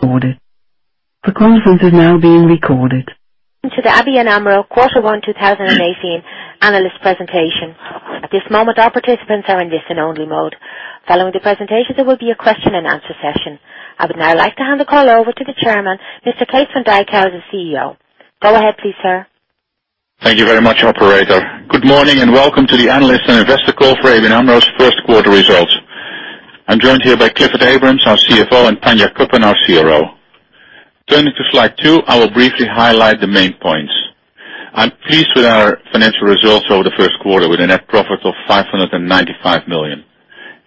Recorded. The conference is now being recorded. To the ABN AMRO Quarter One 2018 analyst presentation. At this moment, all participants are in listen-only mode. Following the presentation, there will be a question and answer session. I would now like to hand the call over to the chairman, Mr. Kees van Dijkhuizen, CEO. Go ahead, please, sir. Thank you very much, operator. Good morning and welcome to the analyst and investor call for ABN AMRO's first quarter results. I'm joined here by Clifford Abrahams, our CFO, and Tanja Cuppen, our CRO. Turning to slide two, I will briefly highlight the main points. I'm pleased with our financial results over the first quarter with a net profit of 595 million.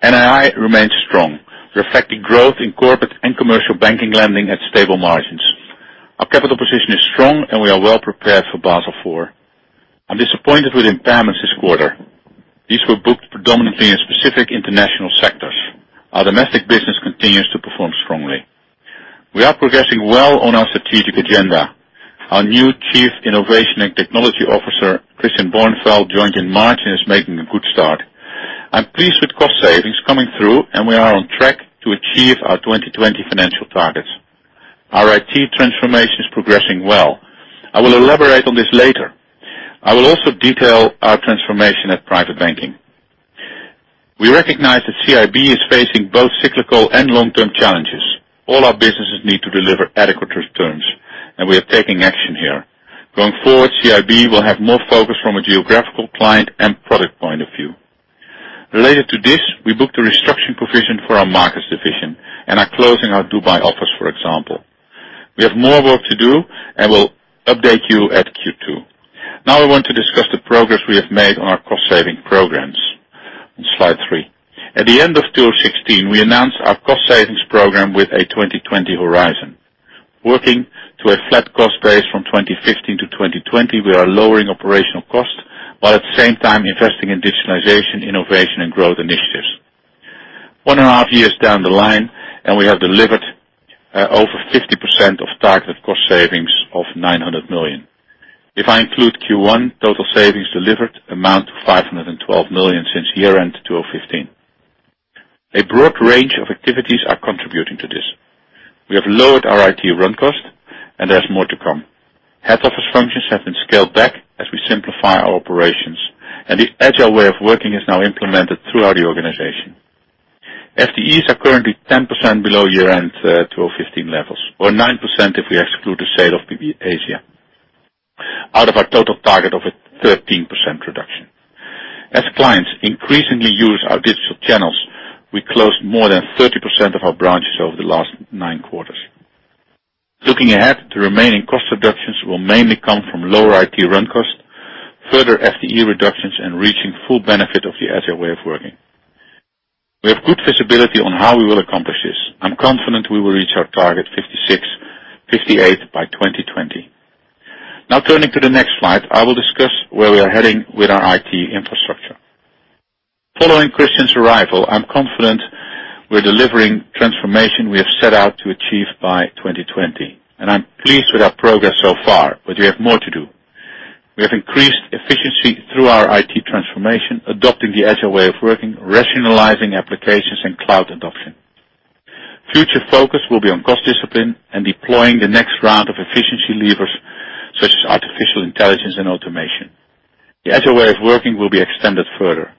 NII remains strong, reflecting growth in corporate and commercial banking lending at stable margins. Our capital position is strong, and we are well prepared for Basel IV. I'm disappointed with impairments this quarter. These were booked predominantly in specific international sectors. Our domestic business continues to perform strongly. We are progressing well on our strategic agenda. Our new Chief Innovation and Technology Officer, Christian Bornfeld, joined in March and is making a good start. I'm pleased with cost savings coming through, and we are on track to achieve our 2020 financial targets. Our IT transformation is progressing well. I will elaborate on this later. I will also detail our transformation at private banking. We recognize that CIB is facing both cyclical and long-term challenges. All our businesses need to deliver adequate returns, and we are taking action here. Going forward, CIB will have more focus from a geographical, client, and product point of view. Related to this, we booked a restructuring provision for our markets division and are closing our Dubai office, for example. We have more work to do and will update you at Q2. Now I want to discuss the progress we have made on our cost-saving programs. On slide three. At the end of 2016, we announced our cost savings program with a 2020 horizon. Working to a flat cost base from 2015 to 2020, we are lowering operational costs while at the same time investing in digitalization, innovation, and growth initiatives. One and a half years down the line, we have delivered over 50% of targeted cost savings of 900 million. If I include Q1, total savings delivered amount to 512 million since year-end 2015. A broad range of activities are contributing to this. We have lowered our IT run cost, and there is more to come. Head office functions have been scaled back as we simplify our operations, and the agile way of working is now implemented throughout the organization. FTEs are currently 10% below year-end 2015 levels, or 9% if we exclude the sale of PB Asia, out of our total target of a 13% reduction. As clients increasingly use our digital channels, we closed more than 30% of our branches over the last nine quarters. Looking ahead, the remaining cost reductions will mainly come from lower IT run costs, further FTE reductions, and reaching full benefit of the agile way of working. We have good visibility on how we will accomplish this. I am confident we will reach our target 56-58 by 2020. Turning to the next slide, I will discuss where we are heading with our IT infrastructure. Following Christian's arrival, I am confident we are delivering transformation we have set out to achieve by 2020, and I am pleased with our progress so far. We have more to do. We have increased efficiency through our IT transformation, adopting the agile way of working, rationalizing applications, and cloud adoption. Future focus will be on cost discipline and deploying the next round of efficiency levers such as artificial intelligence and automation. The agile way of working will be extended further.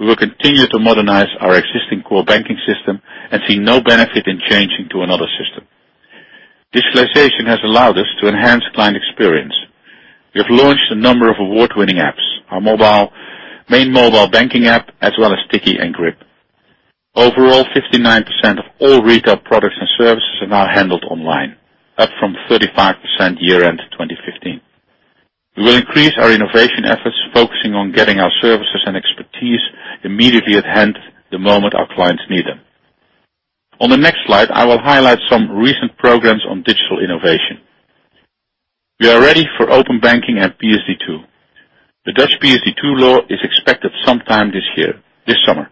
We will continue to modernize our existing core banking system and see no benefit in changing to another system. Digitalization has allowed us to enhance client experience. We have launched a number of award-winning apps, our main mobile banking app, as well as Tikkie and Grip. Overall, 59% of all retail products and services are now handled online, up from 35% year-end 2015. We will increase our innovation efforts, focusing on getting our services and expertise immediately at hand the moment our clients need them. On the next slide, I will highlight some recent programs on digital innovation. We are ready for open banking and PSD2. The Dutch PSD2 law is expected sometime this summer.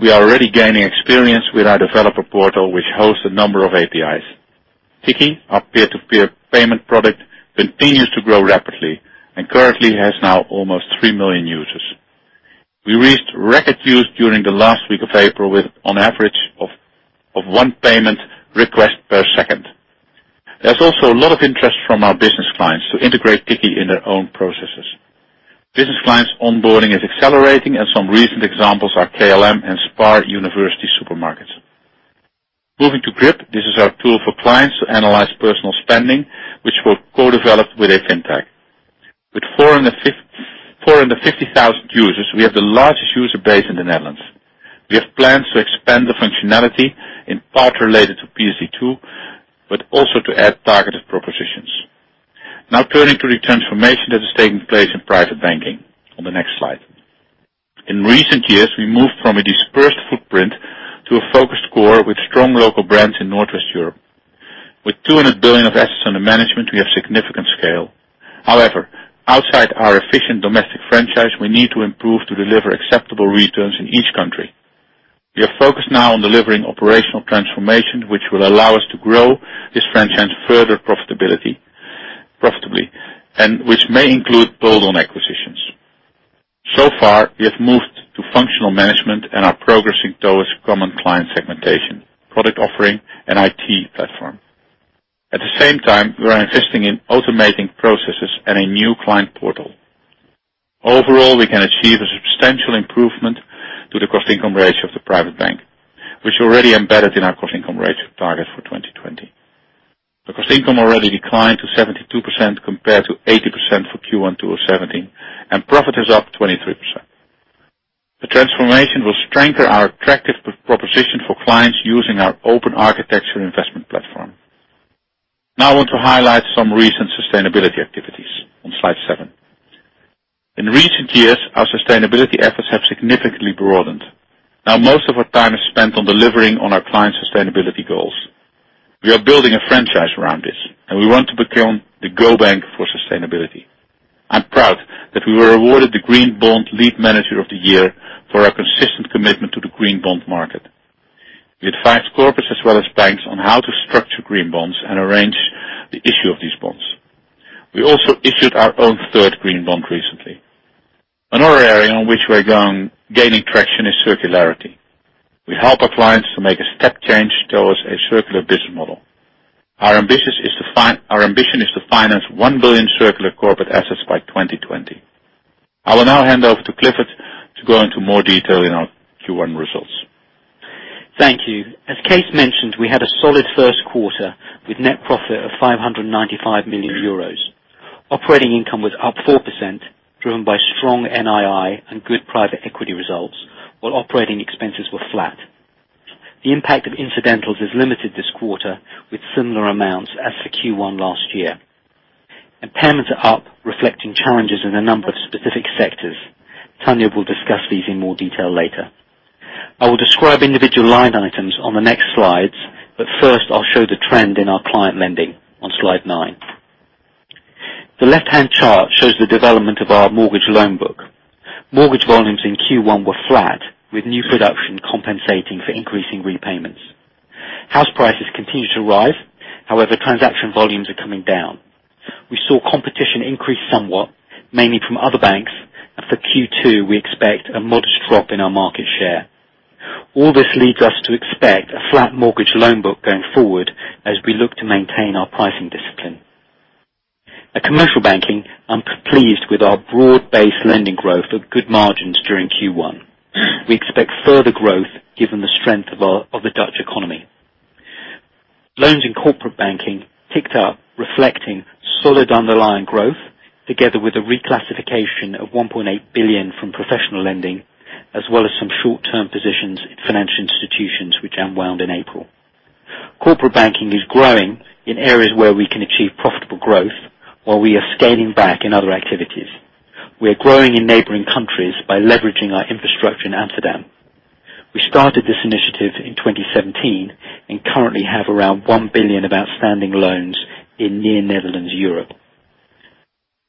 We are already gaining experience with our developer portal, which hosts a number of APIs. Tikkie, our peer-to-peer payment product, continues to grow rapidly and currently has now almost 3 million users. We reached record use during the last week of April with an average of one payment request per second. There is also a lot of interest from our business clients to integrate Tikkie in their own processes. Business clients' onboarding is accelerating, and some recent examples are KLM and SPAR University Supermarkets. Moving to Grip, this is our tool for clients to analyze personal spending, which we have co-developed with a fintech. With 450,000 users, we have the largest user base in the Netherlands. We have plans to expand the functionality in part related to PSD2, also to add targeted propositions. Turning to the transformation that is taking place in private banking on the next slide. In recent years, we moved from a dispersed footprint to a focused core with strong local brands in Northwest Europe. With 200 billion of assets under management, we have significant scale. However, outside our efficient domestic franchise, we need to improve to deliver acceptable returns in each country. We are focused now on delivering operational transformation, which will allow us to grow this franchise further profitably, and which may include build on acquisitions. So far, we have moved to functional management and are progressing towards common client segmentation, product offering, and IT platform. At the same time, we are investing in automating processes and a new client portal. Overall, we can achieve a substantial improvement to the cost-income ratio of the private bank, which already embedded in our cost-income ratio target for 2020. The cost-income already declined to 72% compared to 80% for Q1 2017, and profit is up 23%. The transformation will strengthen our attractive position for clients using our open architecture investment platform. I want to highlight some recent sustainability activities on slide seven. In recent years, our sustainability efforts have significantly broadened. Most of our time is spent on delivering on our clients' sustainability goals. We are building a franchise around this, and we want to become the go bank for sustainability. I'm proud that we were awarded the Green Bond Lead Manager of the Year for our consistent commitment to the green bond market. We advise corporates as well as banks on how to structure green bonds and arrange the issue of these bonds. We also issued our own third green bond recently. Another area on which we're gaining traction is circularity. We help our clients to make a step change towards a circular business model. Our ambition is to finance 1 billion circular corporate assets by 2020. I will now hand over to Clifford to go into more detail in our Q1 results. Thank you. As Kees mentioned, we had a solid first quarter with net profit of 595 million euros. Operating income was up 4%, driven by strong NII and good private equity results, while operating expenses were flat. The impact of incidentals is limited this quarter, with similar amounts as for Q1 last year. Impairments are up, reflecting challenges in a number of specific sectors. Tanja will discuss these in more detail later. I will describe individual line items on the next slides, but first I'll show the trend in our client lending on slide nine. The left-hand chart shows the development of our mortgage loan book. Mortgage volumes in Q1 were flat, with new production compensating for increasing repayments. House prices continue to rise. However, transaction volumes are coming down. We saw competition increase somewhat, mainly from other banks. For Q2, we expect a modest drop in our market share. All this leads us to expect a flat mortgage loan book going forward as we look to maintain our pricing discipline. At commercial banking, I am pleased with our broad-based lending growth at good margins during Q1. We expect further growth given the strength of the Dutch economy. Loans in corporate banking ticked up, reflecting solid underlying growth, together with a reclassification of 1.8 billion from professional lending, as well as some short-term positions in financial institutions which unwound in April. Corporate banking is growing in areas where we can achieve profitable growth, while we are scaling back in other activities. We are growing in neighboring countries by leveraging our infrastructure in Amsterdam. We started this initiative in 2017 and currently have around 1 billion of outstanding loans in near Netherlands, Europe.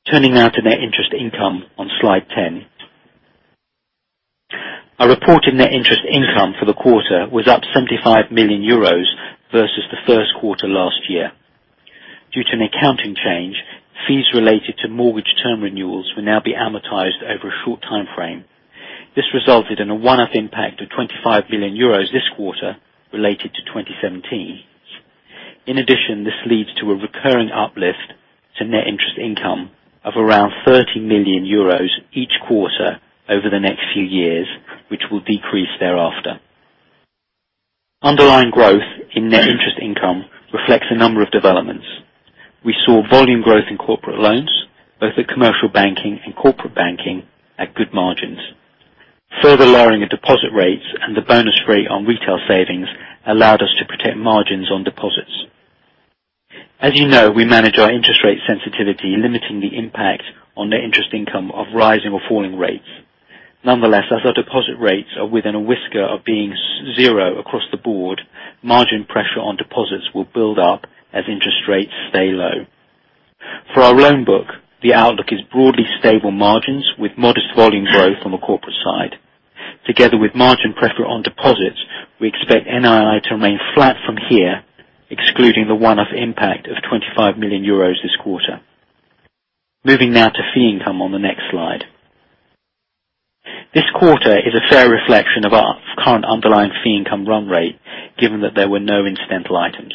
Turning now to net interest income on slide 10. Our reported net interest income for the quarter was up 75 million euros versus the first quarter last year. Due to an accounting change, fees related to mortgage term renewals will now be amortized over a short time frame. This resulted in a one-off impact of 25 million euros this quarter related to 2017. In addition, this leads to a recurring uplift to net interest income of around 30 million euros each quarter over the next few years, which will decrease thereafter. Underlying growth in net interest income reflects a number of developments. We saw volume growth in corporate loans, both at commercial banking and corporate banking at good margins. Further lowering of deposit rates and the bonus rate on retail savings allowed us to protect margins on deposits. As you know, we manage our interest rate sensitivity, limiting the impact on net interest income of rising or falling rates. Nonetheless, as our deposit rates are within a whisker of being zero across the board, margin pressure on deposits will build up as interest rates stay low. For our loan book, the outlook is broadly stable margins with modest volume growth on the corporate side. Together with margin pressure on deposits, we expect NII to remain flat from here, excluding the one-off impact of 25 million euros this quarter. Moving now to fee income on the next slide. This quarter is a fair reflection of our current underlying fee income run rate, given that there were no incidental items.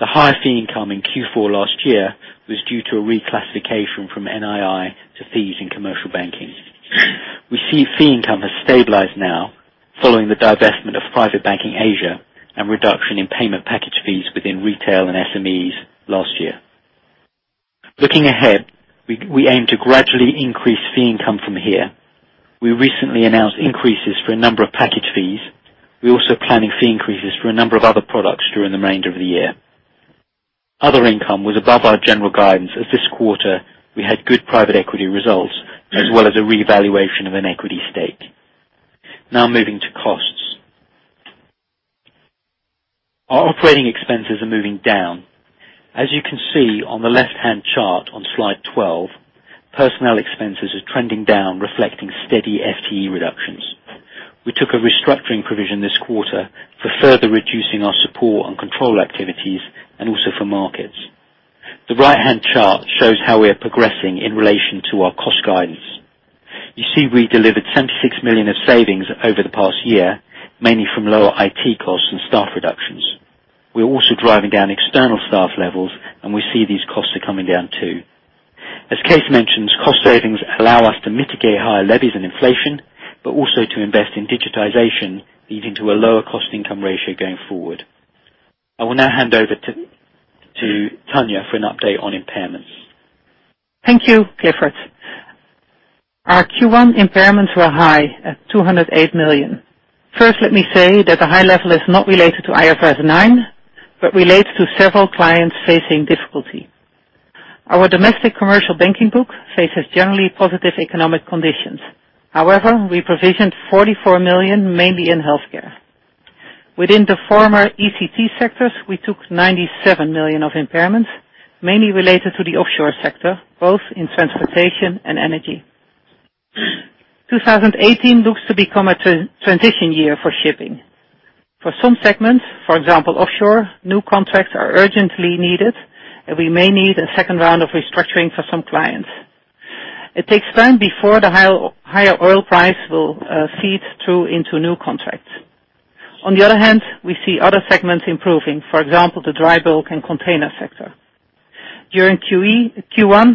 The high fee income in Q4 last year was due to a reclassification from NII to fees in commercial banking. We see fee income has stabilized now following the divestment of Private Banking Asia and reduction in payment package fees within retail and SMEs last year. Looking ahead, we aim to gradually increase fee income from here. We recently announced increases for a number of package fees. We are also planning fee increases for a number of other products during the remainder of the year. Other income was above our general guidance, as this quarter we had good private equity results as well as a revaluation of an equity stake. Now moving to costs. Our operating expenses are moving down. As you can see on the left-hand chart on slide 12, personnel expenses are trending down, reflecting steady FTE reductions. We took a restructuring provision this quarter for further reducing our support and control activities, and also for markets. The right-hand chart shows how we are progressing in relation to our cost guidance. You see, we delivered 76 million of savings over the past year, mainly from lower IT costs and staff reductions. We are also driving down external staff levels, and we see these costs are coming down too. As Kees mentioned, cost savings allow us to mitigate higher levies and inflation, but also to invest in digitization, leading to a lower cost-income ratio going forward. I will now hand over to Tanja for an update on impairments. Thank you, Clifford. Our Q1 impairments were high at 208 million. First, let me say that the high level is not related to IFRS 9, but relates to several clients facing difficulty. Our domestic commercial banking book faces generally positive economic conditions. However, we provisioned 44 million, mainly in healthcare. Within the former ECT sectors, we took 97 million of impairments, mainly related to the offshore sector, both in transportation and energy. 2018 looks to become a transition year for shipping. For some segments, for example, offshore, new contracts are urgently needed, and we may need a second round of restructuring for some clients. It takes time before the higher oil price will feed through into new contracts. On the other hand, we see other segments improving. For example, the dry bulk and container sector. During Q1,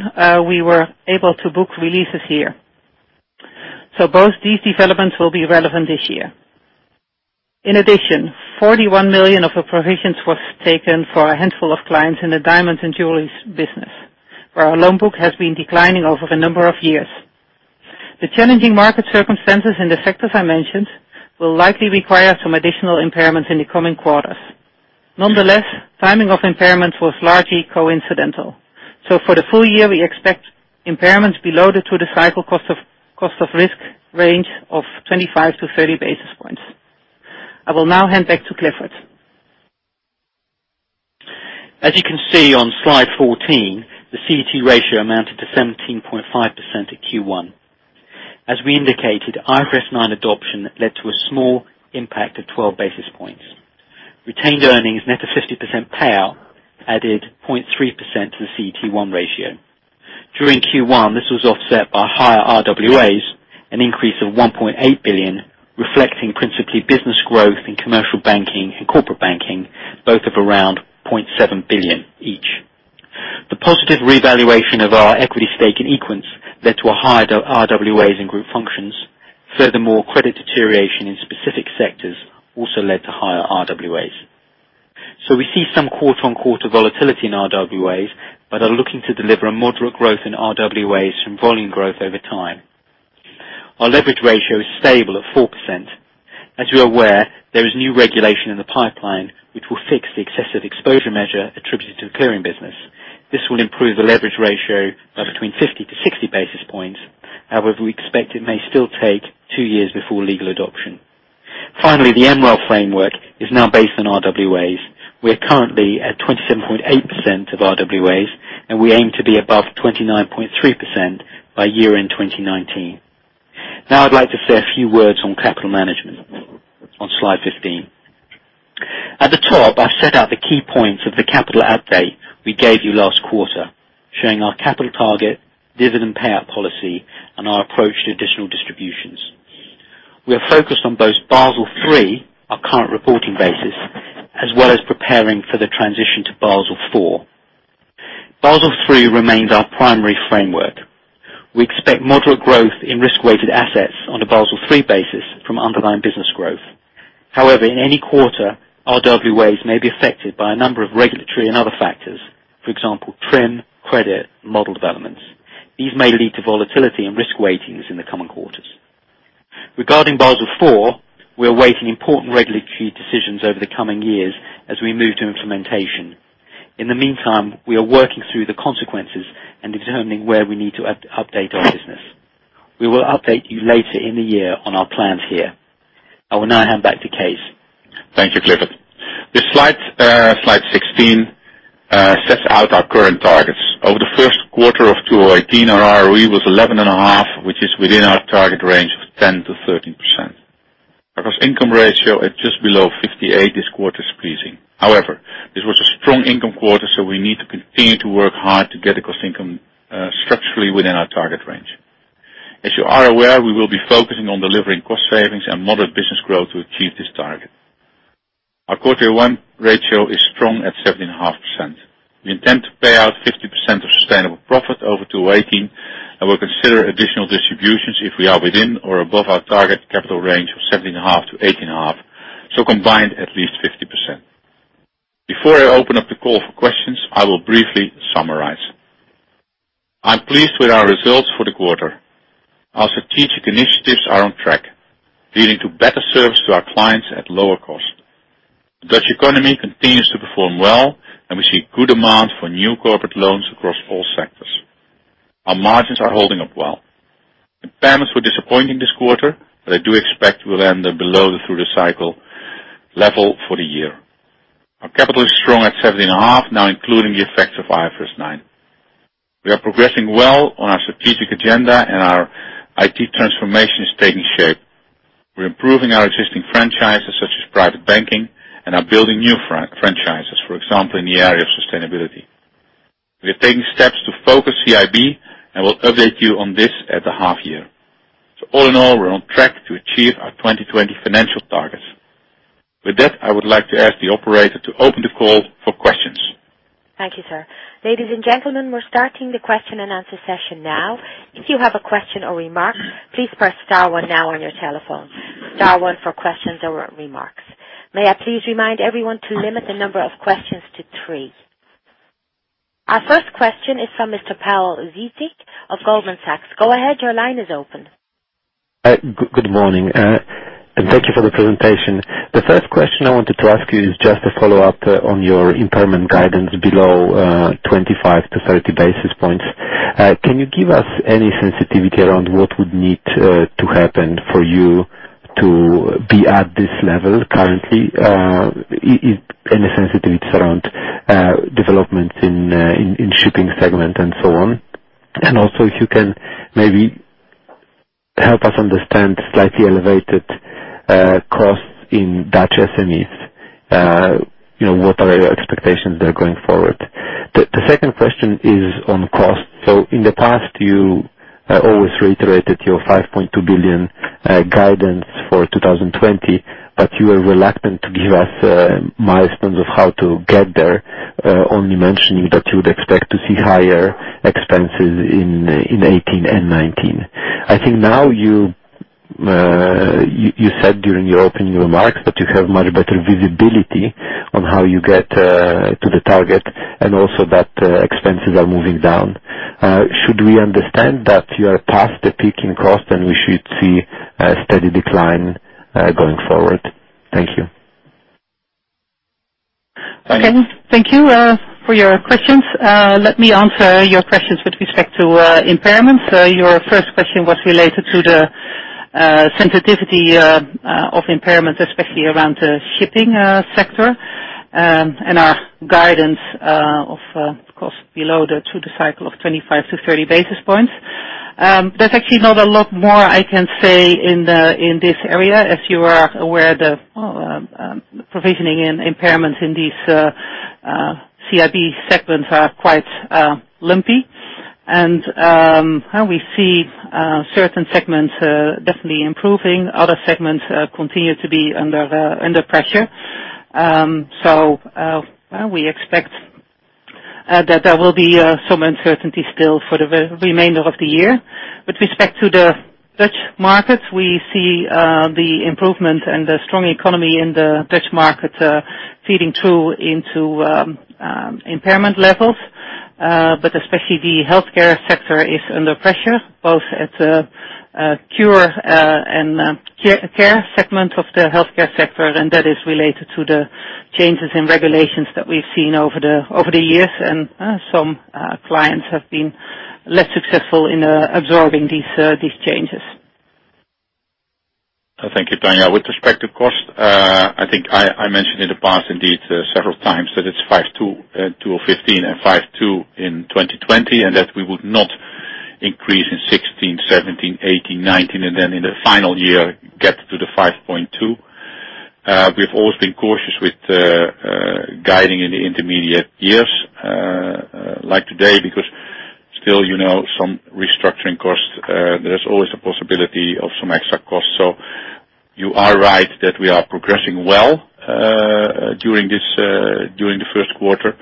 we were able to book releases here. Both these developments will be relevant this year. In addition, 41 million of the provisions was taken for a handful of clients in the diamonds and jewellery business, where our loan book has been declining over a number of years. The challenging market circumstances in the sectors I mentioned will likely require some additional impairments in the coming quarters. Nonetheless, timing of impairments was largely coincidental. For the full year, we expect impairments below the through-the-cycle cost of risk range of 25 to 30 basis points. I will now hand back to Clifford. As you can see on slide 14, the CET ratio amounted to 17.5% at Q1. As we indicated, IFRS 9 adoption led to a small impact of 12 basis points. Retained earnings net of 50% payout added 0.3% to the CET1 ratio. During Q1, this was offset by higher RWAs, an increase of 1.8 billion, reflecting principally business growth in commercial banking and corporate banking, both of around 0.7 billion each. The positive revaluation of our equity stake in Equens led to a higher RWAs in group functions. Furthermore, credit deterioration in specific sectors also led to higher RWAs. We see some quarter-on-quarter volatility in RWAs, but are looking to deliver a moderate growth in RWAs from volume growth over time. Our leverage ratio is stable at 4%. As you're aware, there is new regulation in the pipeline, which will fix the excessive exposure measure attributed to the clearing business. This will improve the leverage ratio by between 50 to 60 basis points. However, we expect it may still take two years before legal adoption. Finally, the MREL framework is now based on RWAs. We are currently at 27.8% of RWAs, and we aim to be above 29.3% by year-end 2019. I'd like to say a few words on capital management on slide 15. At the top, I've set out the key points of the capital update we gave you last quarter, showing our capital target, dividend payout policy, and our approach to additional distributions. We are focused on both Basel III, our current reporting basis, as well as preparing for the transition to Basel IV. Basel III remains our primary framework. We expect moderate growth in risk-weighted assets on a Basel III basis from underlying business growth. However, in any quarter, RWAs may be affected by a number of regulatory and other factors, for example, TRIM, credit, model developments. These may lead to volatility and risk weightings in the coming quarters. Regarding Basel IV, we are awaiting important regulatory decisions over the coming years as we move to implementation. In the meantime, we are working through the consequences and determining where we need to update our business. We will update you later in the year on our plans here. I will now hand back to Kees. Thank you, Clifford. The slide 16 sets out our current targets. Over the first quarter of 2018, our ROE was 11.5%, which is within our target range of 10%-13%. Our cost-income ratio at just below 58% this quarter is pleasing. However, this was a strong income quarter, we need to continue to work hard to get the cost-income structurally within our target range. As you are aware, we will be focusing on delivering cost savings and moderate business growth to achieve this target. Our quarter one ratio is strong at 17.5%. We intend to pay out 50% of sustainable profit over 2018, and we'll consider additional distributions if we are within or above our target capital range of 17.5%-18.5%, so combined at least 50%. Before I open up the call for questions, I will briefly summarize. I'm pleased with our results for the quarter. Our strategic initiatives are on track, leading to better service to our clients at lower cost. The Dutch economy continues to perform well, we see good demand for new corporate loans across all sectors. Our margins are holding up well. Impairments were disappointing this quarter, I do expect we'll end up below the through-the-cycle level for the year. Our capital is strong at 17.5%, now including the effects of IFRS 9. We are progressing well on our strategic agenda, and our IT transformation is taking shape. We're improving our existing franchises, such as private banking, and are building new franchises, for example, in the area of sustainability. We are taking steps to focus CIB, we'll update you on this at the half year. All in all, we're on track to achieve our 2020 financial targets. With that, I would like to ask the operator to open the call for questions. Thank you, sir. Ladies and gentlemen, we're starting the question and answer session now. If you have a question or remark, please press star one now on your telephone. Star one for questions or remarks. May I please remind everyone to limit the number of questions to three. Our first question is from Mr. Pawel Zytnik of Goldman Sachs. Go ahead, your line is open. Good morning. Thank you for the presentation. The first question I wanted to ask you is just a follow-up on your impairment guidance below 25-30 basis points. Can you give us any sensitivity around what would need to happen for you to be at this level currently? Any sensitivities around developments in shipping segment and so on. Also, if you can maybe help us understand slightly elevated costs in Dutch SMEs. What are your expectations there going forward? The second question is on cost. In the past you always reiterated your 5.2 billion guidance for 2020, but you were reluctant to give us milestones of how to get there, only mentioning that you would expect to see higher expenses in 2018 and 2019. I think now, you said during your opening remarks that you have much better visibility on how you get to the target and also that expenses are moving down. Should we understand that you are past the peaking cost and we should see a steady decline going forward? Thank you. Okay, thank you for your questions. Let me answer your questions with respect to impairments. Your first question was related to the sensitivity of impairment, especially around the shipping sector, and our guidance of cost below the through the cycle of 25 to 30 basis points. There's actually not a lot more I can say in this area. As you are aware, the provisioning and impairments in these CIB segments are quite lumpy, and we see certain segments definitely improving. Other segments continue to be under pressure. We expect that there will be some uncertainty still for the remainder of the year. With respect to the Dutch markets, we see the improvement and the strong economy in the Dutch market feeding through into impairment levels. Especially the healthcare sector is under pressure, both at the cure and care segment of the healthcare sector, and that is related to the changes in regulations that we've seen over the years. Some clients have been less successful in absorbing these changes. Thank you, Tanja. With respect to cost, I think I mentioned in the past indeed several times that it's 5.2 in 2015 and 5.2 in 2020, and that we would not increase in 2016, 2017, 2018, 2019, and then in the final year, get to the 5.2. We've always been cautious with guiding in the intermediate years, like today, because still some restructuring costs, there's always a possibility of some extra costs. You are right that we are progressing well during the first quarter.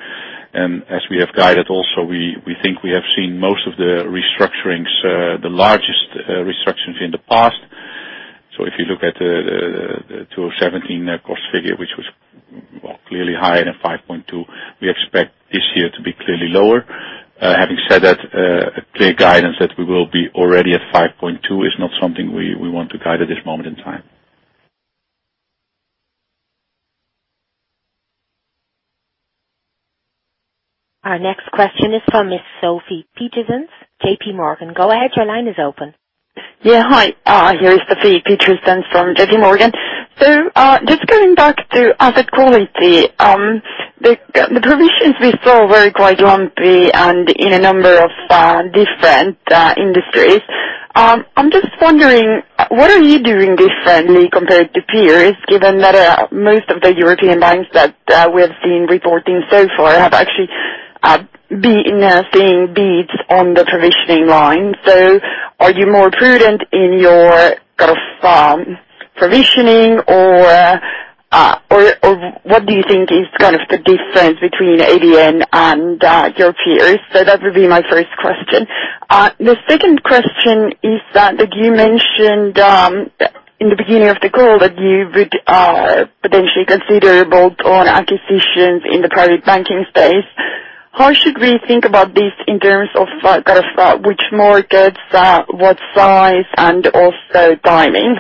As we have guided also, we think we have seen most of the restructurings, the largest restructurings in the past. If you look at the 2017 cost figure, which was clearly higher than 5.2, we expect this year to be clearly lower. Having said that, a clear guidance that we will be already at 5.2 is not something we want to guide at this moment in time. Our next question is from Miss Sophie Peterzens, JP Morgan. Go ahead, your line is open. Yeah. Hi, here is Sophie Peterzens from JP Morgan. Just going back to asset quality. The provisions we saw were quite lumpy and in a number of different industries. I'm just wondering, what are you doing differently compared to peers, given that most of the European banks that we have seen reporting so far have actually been seeing beats on the provisioning line. Are you more prudent in your provisioning, or what do you think is the difference between ABN and your peers? That would be my first question. The second question is that you mentioned, in the beginning of the call, that you would potentially consider bolt-on acquisitions in the private banking space. How should we think about this in terms of which markets, what size, and also timing?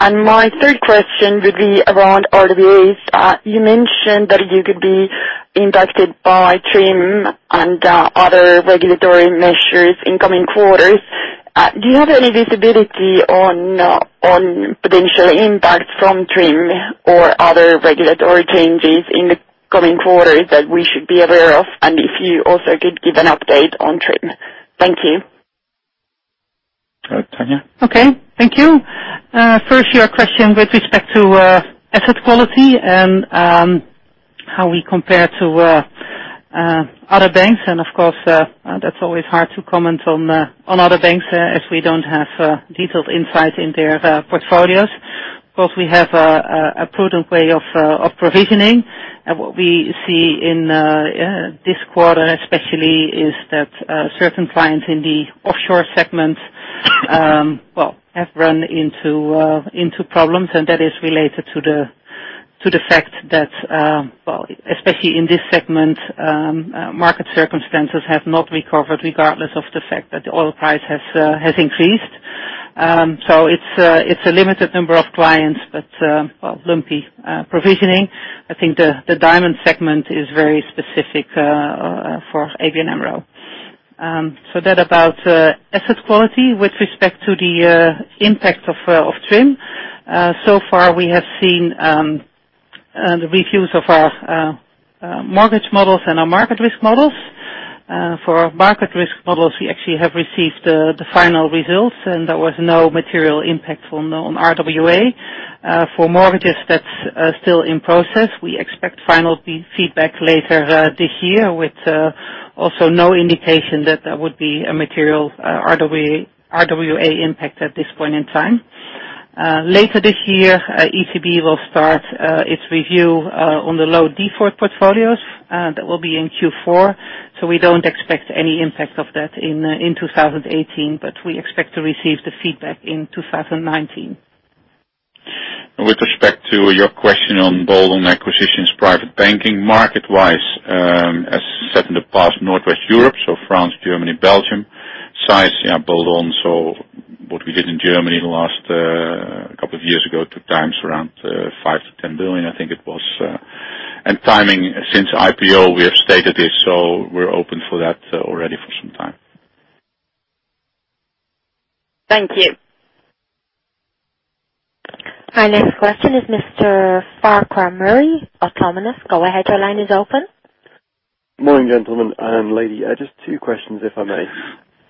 My third question would be around RWAs. You mentioned that you could be impacted by TRIM and other regulatory measures in coming quarters. Do you have any visibility on potential impact from TRIM or other regulatory changes in the coming quarters that we should be aware of? If you also could give an update on TRIM. Thank you. Go ahead, Tanja. Okay, thank you. First, your question with respect to asset quality and how we compare to other banks. Of course, that's always hard to comment on other banks, as we don't have detailed insight into their portfolios. Of course, we have a prudent way of provisioning. What we see in this quarter especially, is that certain clients in the offshore segment have run into problems, and that is related to the fact that, especially in this segment, market circumstances have not recovered regardless of the fact that the oil price has increased. It's a limited number of clients, but lumpy provisioning. I think the diamond segment is very specific for ABN AMRO. That about asset quality. With respect to the impact of TRIM, so far we have seen the reviews of our mortgage models and our market risk models. For our market risk models, we actually have received the final results, and there was no material impact on RWA. For mortgages, that's still in process. We expect final feedback later this year with also no indication that there would be a material RWA impact at this point in time. Later this year, ECB will start its review on the low default portfolios. That will be in Q4. We don't expect any impact of that in 2018, but we expect to receive the feedback in 2019. With respect to your question on bolt-on acquisitions private banking. Market-wise, as said in the past, Northwest Europe, France, Germany, Belgium. Size, yeah, bolt-on what we did in Germany the last couple of years ago, two times around 5 billion to 10 billion, I think it was. Timing, since IPO, we have stated this. We're open for that already for some time. Thank you. Our next question is Mr. Farquhar Murray, Autonomous. Go ahead, your line is open. Morning, gentlemen and lady. Just two questions, if I may.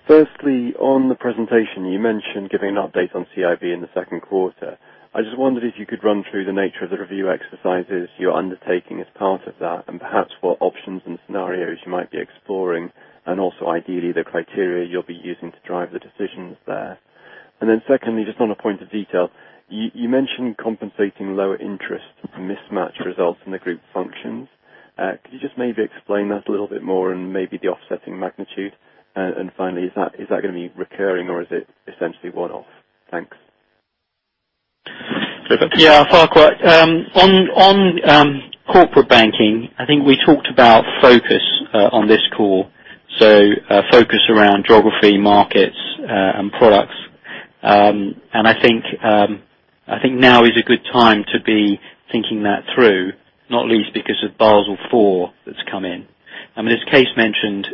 Firstly, on the presentation, you mentioned giving an update on CIB in the second quarter. I just wondered if you could run through the nature of the review exercises you're undertaking as part of that, and perhaps what options and scenarios you might be exploring, and also ideally, the criteria you'll be using to drive the decisions there. Secondly, just on a point of detail. You mentioned compensating lower interest mismatch results in the group functions. Could you just maybe explain that a little bit more and maybe the offsetting magnitude? Finally, is that going to be recurring or is it essentially one-off? Thanks. Clifford. Yeah, Farquhar. On corporate banking, I think we talked about focus on this call. Focus around geography, markets, and products. I think now is a good time to be thinking that through, not least because of Basel IV that's come in. I mean, as Kees mentioned,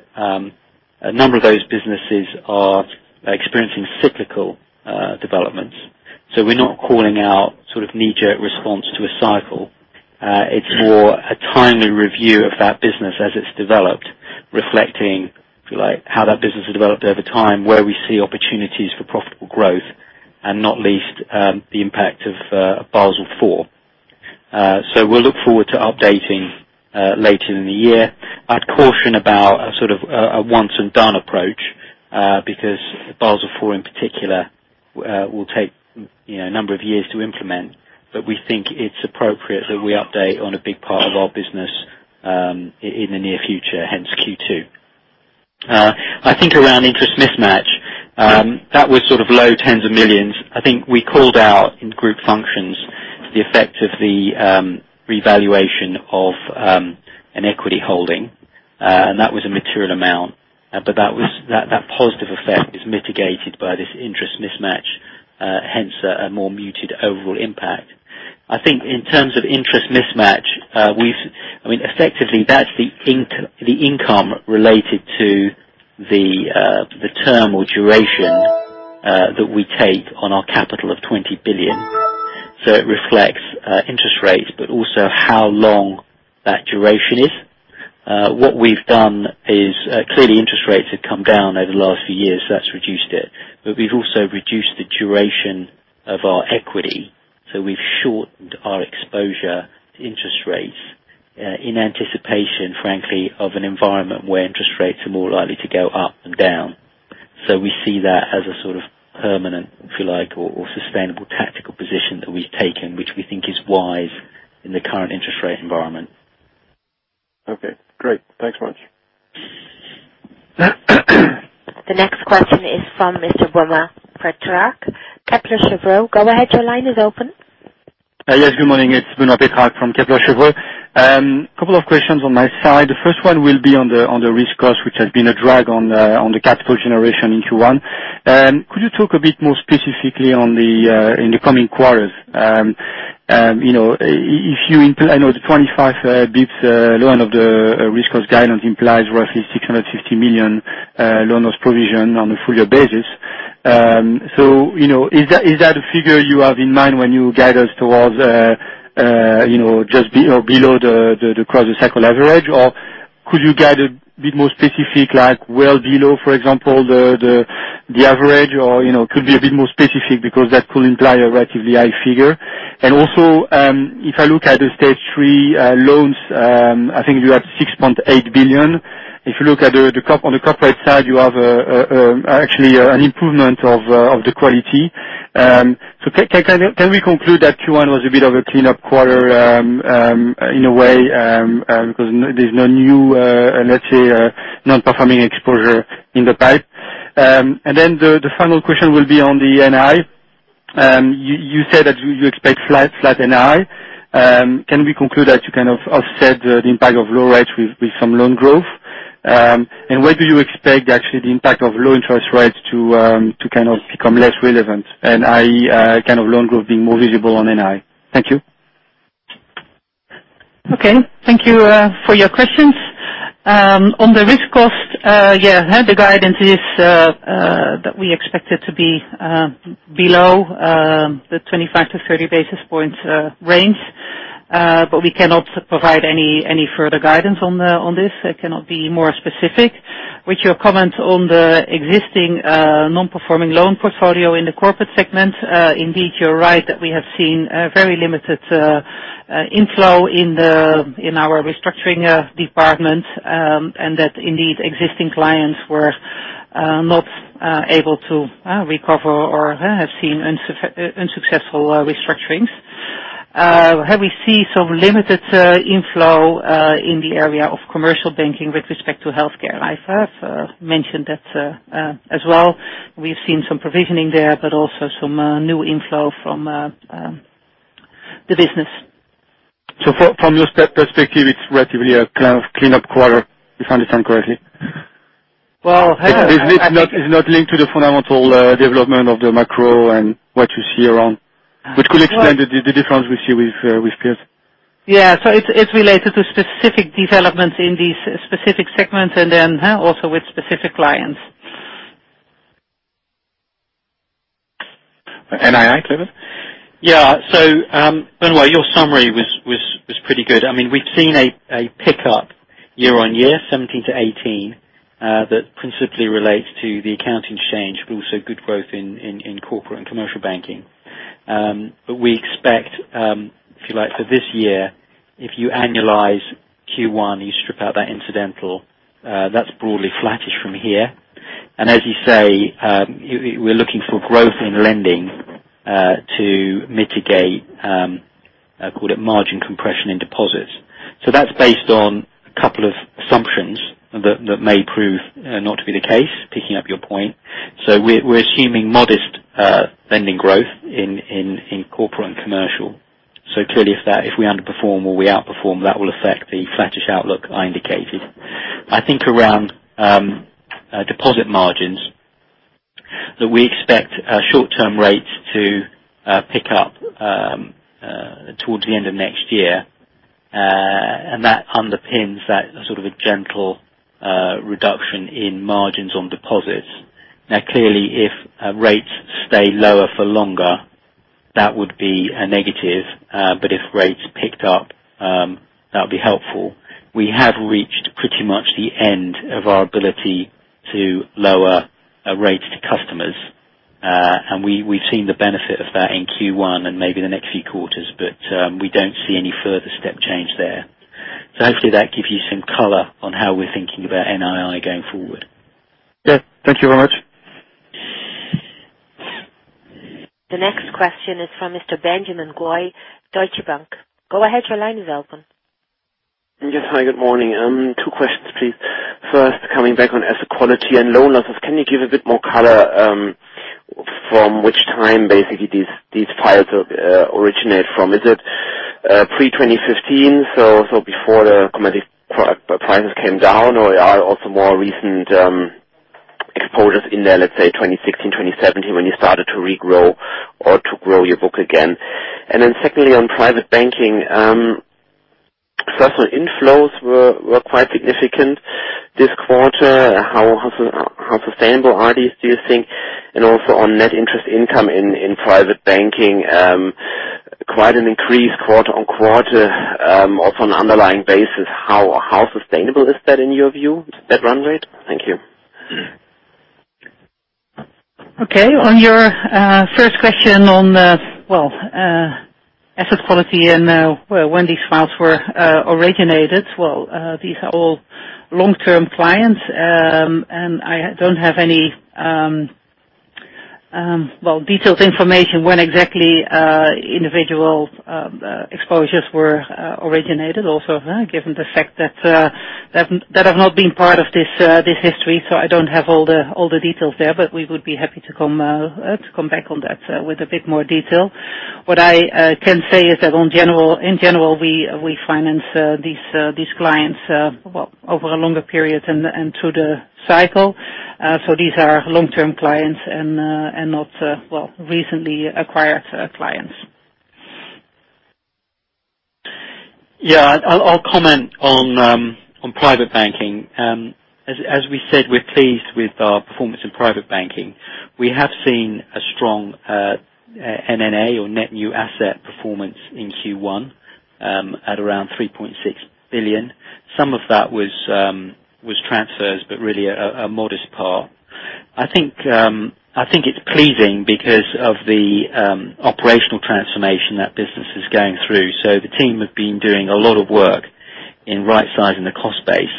a number of those businesses are experiencing cyclical developments. We're not calling out sort of knee-jerk response to a cycle. It's more a timely review of that business as it's developed, reflecting, if you like, how that business has developed over time, where we see opportunities for profitable growth, and not least, the impact of Basel IV. We'll look forward to updating later in the year. I'd caution about a sort of a once-and-done approach, because Basel IV in particular, will take a number of years to implement. We think it's appropriate that we update on a big part of our business in the near future, hence Q2. I think around interest mismatch, that was sort of EUR low tens of millions. I think we called out in group functions the effect of the revaluation of an equity holding, that was a material amount. That positive effect is mitigated by this interest mismatch, hence a more muted overall impact. I think in terms of interest mismatch, effectively, that's the income related to the term or duration that we take on our capital of 20 billion. It reflects interest rates, but also how long that duration is. What we've done is, clearly interest rates have come down over the last few years, that's reduced it. We've also reduced the duration of our equity. We've shortened our exposure to interest rates in anticipation, frankly, of an environment where interest rates are more likely to go up and down. We see that as a sort of permanent, if you like, or sustainable tactical position that we've taken, which we think is wise in the current interest rate environment. Okay, great. Thanks much. The next question is from Mr. Benoit Petrac, Kepler Cheuvreux. Go ahead, your line is open. Yes, good morning. It is Benoit Petrac from Kepler Cheuvreux. Couple of questions on my side. The first one will be on the risk cost, which has been a drag on the capital generation in Q1. Could you talk a bit more specifically in the coming quarters? If you imply the 25 basis points loan of the risk cost guidance implies roughly 650 million loan loss provision on a full year basis. Is that a figure you have in mind when you guide us towards just below the through-the-cycle average? Or could you guide a bit more specific, like well below, for example, the average or could be a bit more specific because that could imply a relatively high figure. Also, if I look at the stage 3 loans, I think you have 6.8 billion. If you look on the corporate side, you have actually an improvement of the quality. Can we conclude that Q1 was a bit of a cleanup quarter, in a way, because there's no new, let's say, non-performing exposure in the pipe? The final question will be on the NII. You said that you expect flat NII. Can we conclude that you kind of offset the impact of low rates with some loan growth? When do you expect actually the impact of low interest rates to kind of become less relevant and NII kind of loan growth being more visible on NII? Thank you. Okay. Thank you for your questions. On the risk cost, the guidance is that we expect it to be below the 25-30 basis points range. We cannot provide any further guidance on this. I cannot be more specific. With your comment on the existing non-performing loan portfolio in the corporate segment, indeed, you're right that we have seen a very limited inflow in our restructuring department, and that indeed existing clients were not able to recover or have seen unsuccessful restructurings. We have seen some limited inflow in the area of commercial banking with respect to healthcare. I've mentioned that as well. We've seen some provisioning there, but also some new inflow from the business. From your perspective, it's relatively a kind of cleanup quarter, if I understand correctly. Well- It's not linked to the fundamental development of the macro and what you see around. Which could explain the difference we see with peers. It's related to specific developments in these specific segments and then also with specific clients. NII, Clifford. Benoit, your summary was pretty good. We've seen a pick up year-on-year 2017 to 2018, that principally relates to the accounting change, but also good growth in corporate and commercial banking. We expect, if you like, for this year, if you annualize Q1, you strip out that incidental, that's broadly flattish from here. As you say, we're looking for growth in lending, to mitigate call it margin compression in deposits. That's based on a couple of assumptions that may prove not to be the case, picking up your point. We're assuming modest lending growth in corporate and commercial. Clearly if we underperform or we outperform, that will affect the flattish outlook I indicated. I think around deposit margins, that we expect short-term rates to pick up towards the end of next year. That underpins that sort of a gentle reduction in margins on deposits. Clearly, if rates stay lower for longer, that would be a negative. If rates picked up, that would be helpful. We have reached pretty much the end of our ability to lower rates to customers. We've seen the benefit of that in Q1 and maybe the next few quarters. We don't see any further step change there. Hopefully that gives you some color on how we're thinking about NII going forward. Yeah. Thank you very much. The next question is from Mr. Benjamin Goy, Deutsche Bank. Go ahead, your line is open. Yes. Hi, good morning. Two questions, please. First, coming back on asset quality and loan losses. Can you give a bit more color, from which time basically these files originate from? Is it pre-2015, so before the commodity prices came down, or are also more recent exposures in there, let's say 2016, 2017, when you started to regrow or to grow your book again? Then secondly, on private banking. First, on inflows were quite significant this quarter. How sustainable are these, do you think? Also on net interest income in private banking, quite an increase quarter-on-quarter, off an underlying basis. How sustainable is that in your view, that run rate? Thank you. Okay. On your first question on asset quality and when these files were originated. Well, these are all long-term clients. I don't have any detailed information when exactly individual exposures were originated. Given the fact that I've not been part of this history, so I don't have all the details there, but we would be happy to come back on that with a bit more detail. What I can say is that in general, we finance these clients over a longer period and through the cycle. These are long-term clients and not recently acquired clients. Yeah. I'll comment on private banking. As we said, we're pleased with our performance in private banking. We have seen a strong NNA or net new asset performance in Q1 at around 3.6 billion. Some of that was transfers, but really a modest part. I think it's pleasing because of the operational transformation that business is going through. The team have been doing a lot of work in right-sizing the cost base,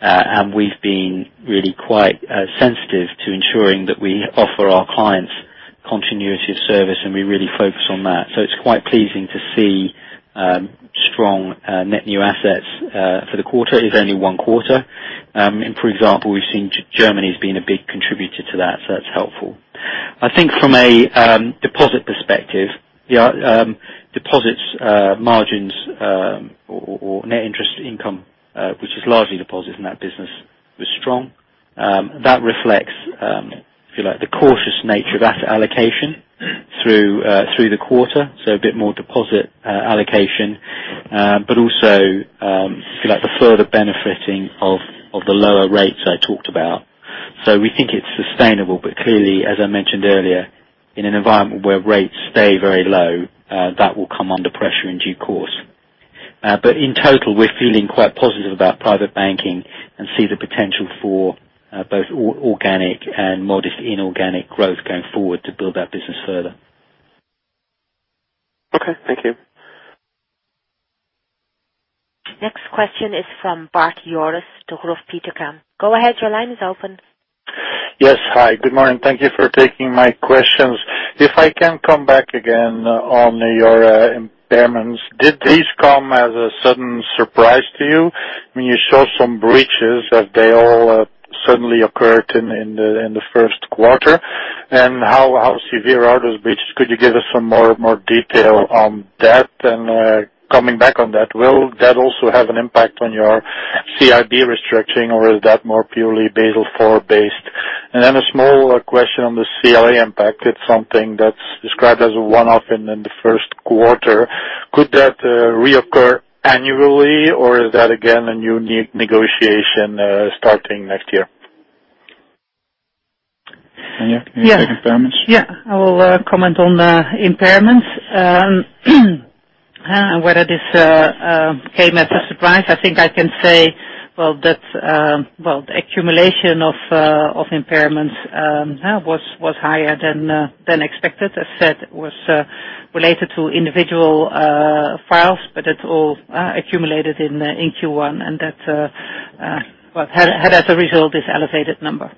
and we've been really quite sensitive to ensuring that we offer our clients continuity of service, and we really focus on that. It's quite pleasing to see strong net new assets for the quarter. It's only one quarter. For example, we've seen Germany as being a big contributor to that, so that's helpful. I think from a deposit perspective, deposits margins or net interest income, which is largely deposit in that business, was strong. That reflects the cautious nature of asset allocation through the quarter, a bit more deposit allocation. Also the further benefiting of the lower rates I talked about. We think it's sustainable, but clearly, as I mentioned earlier, in an environment where rates stay very low, that will come under pressure in due course. In total, we're feeling quite positive about private banking and see the potential for both organic and modest inorganic growth going forward to build that business further. Okay. Thank you. Next question is from Bart Joris, Degroof Petercam. Go ahead, your line is open. Yes. Hi, good morning. Thank you for taking my questions. Can I come back again on your impairments, did these come as a sudden surprise to you when you saw some breaches that they all suddenly occurred in the first quarter? How severe are those breaches? Could you give us some more detail on that? Coming back on that, will that also have an impact on your CIB restructuring, or is that more purely Basel IV based? A small question on the CLA impact. It's something that's described as a one-off and in the first quarter. Could that reoccur annually, or is that again a new negotiation starting next year? Tanja, can you take impairments? I will comment on the impairments. Whether this came as a surprise. I think I can say, well, the accumulation of impairments was higher than expected. As said, was related to individual files, but it all accumulated in Q1, and that had as a result this elevated number.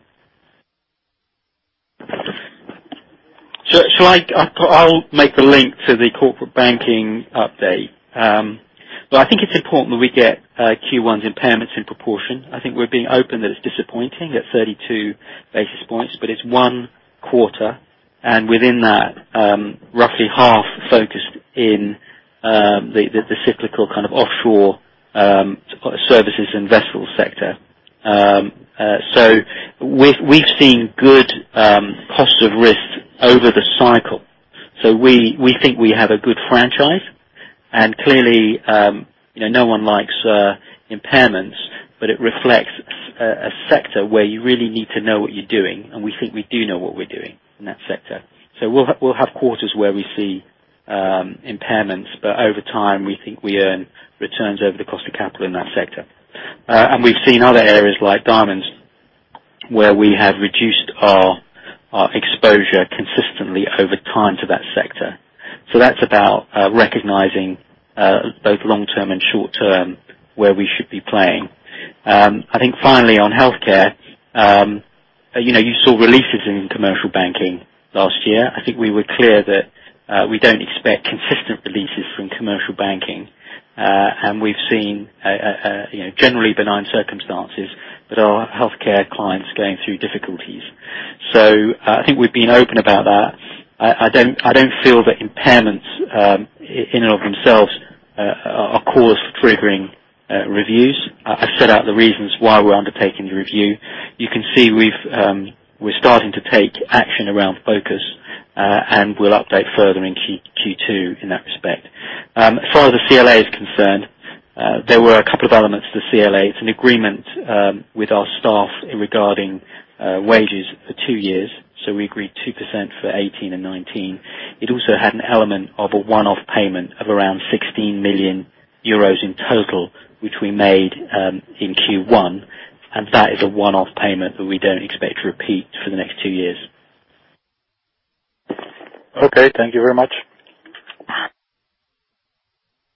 I'll make the link to the corporate banking update. I think it's important that we get Q1's impairments in proportion. I think we're being open that it's disappointing at 32 basis points, but it's one quarter, and within that roughly half focused in the cyclical offshore services and vessels sector. We've seen good costs of risk over the cycle. We think we have a good franchise, and clearly no one likes impairments, but it reflects a sector where you really need to know what you're doing, and we think we do know what we're doing in that sector. We'll have quarters where we see impairments, but over time, we think we earn returns over the cost of capital in that sector. We've seen other areas like diamonds, where we have reduced our exposure consistently over time to that sector. That's about recognizing both long term and short term where we should be playing. I think finally on healthcare, you saw releases in commercial banking last year. I think we were clear that we don't expect consistent releases from commercial banking. We've seen generally benign circumstances with our healthcare clients going through difficulties. I think we've been open about that. I don't feel that impairments in and of themselves are cause for triggering reviews. I've set out the reasons why we're undertaking the review. You can see we're starting to take action around focus, and we'll update further in Q2 in that respect. As far as the CLA is concerned, there were a couple of elements to the CLA. It's an agreement with our staff regarding wages for two years. We agreed 2% for 2018 and 2019. It also had an element of a one-off payment of around 16 million euros in total, which we made in Q1. That is a one-off payment that we don't expect to repeat for the next two years. Okay. Thank you very much.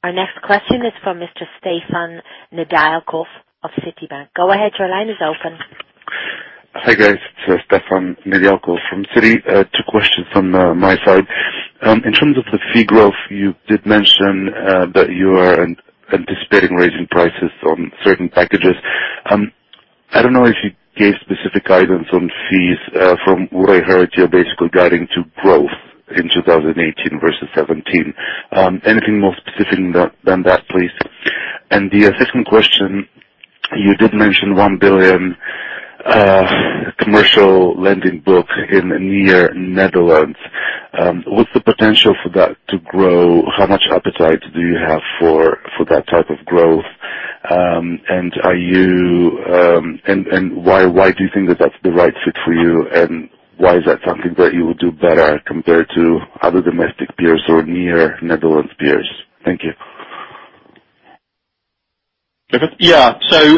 Our next question is from Mr. Stefan Nedialkov of Citigroup. Go ahead, your line is open. Hi, guys. It's Stefan Nedialkov from Citi. Two questions from my side. In terms of the fee growth, you did mention that you are anticipating raising prices on certain packages. I don't know if you gave specific guidance on fees. From what I heard, you're basically guiding to growth in 2018 versus 2017. Anything more specific than that, please? The second question. You did mention 1 billion commercial lending book in the Netherlands. What's the potential for that to grow? How much appetite do you have for that type of growth? Why do you think that that's the right fit for you, and why is that something that you will do better compared to other domestic peers or the Netherlands peers? Thank you.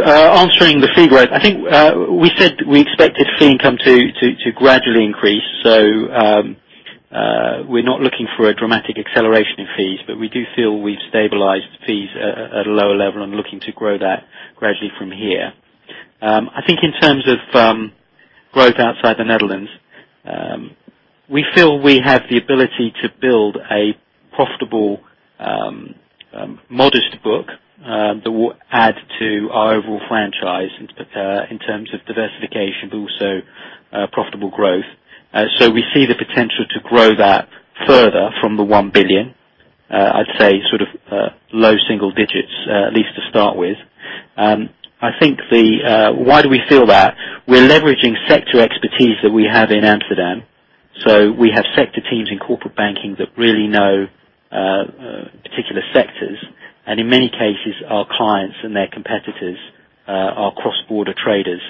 Answering the fee rate, I think we said we expected fee income to gradually increase. We're not looking for a dramatic acceleration in fees, but we do feel we've stabilized fees at a lower level and looking to grow that gradually from here. I think in terms of growth outside the Netherlands, we feel we have the ability to build a profitable modest book that will add to our overall franchise in terms of diversification, but also profitable growth. We see the potential to grow that further from the 1 billion. I'd say low single digits, at least to start with. Why do we feel that? We're leveraging sector expertise that we have in Amsterdam. We have sector teams in corporate banking that really know particular sectors, and in many cases, our clients and their competitors are cross-border traders.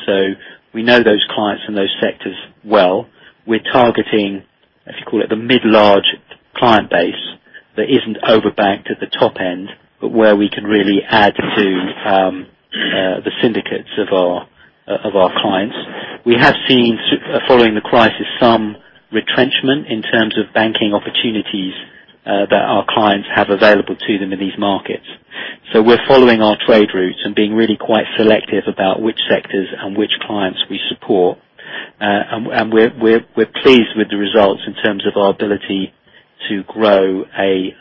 We know those clients and those sectors well. We're targeting, as you call it, the mid large client base that isn't over banked at the top end, but where we can really add to the syndicates of our clients. We have seen, following the crisis, some retrenchment in terms of banking opportunities that our clients have available to them in these markets. We're following our trade routes and being really quite selective about which sectors and which clients we support. We're pleased with the results in terms of our ability to grow a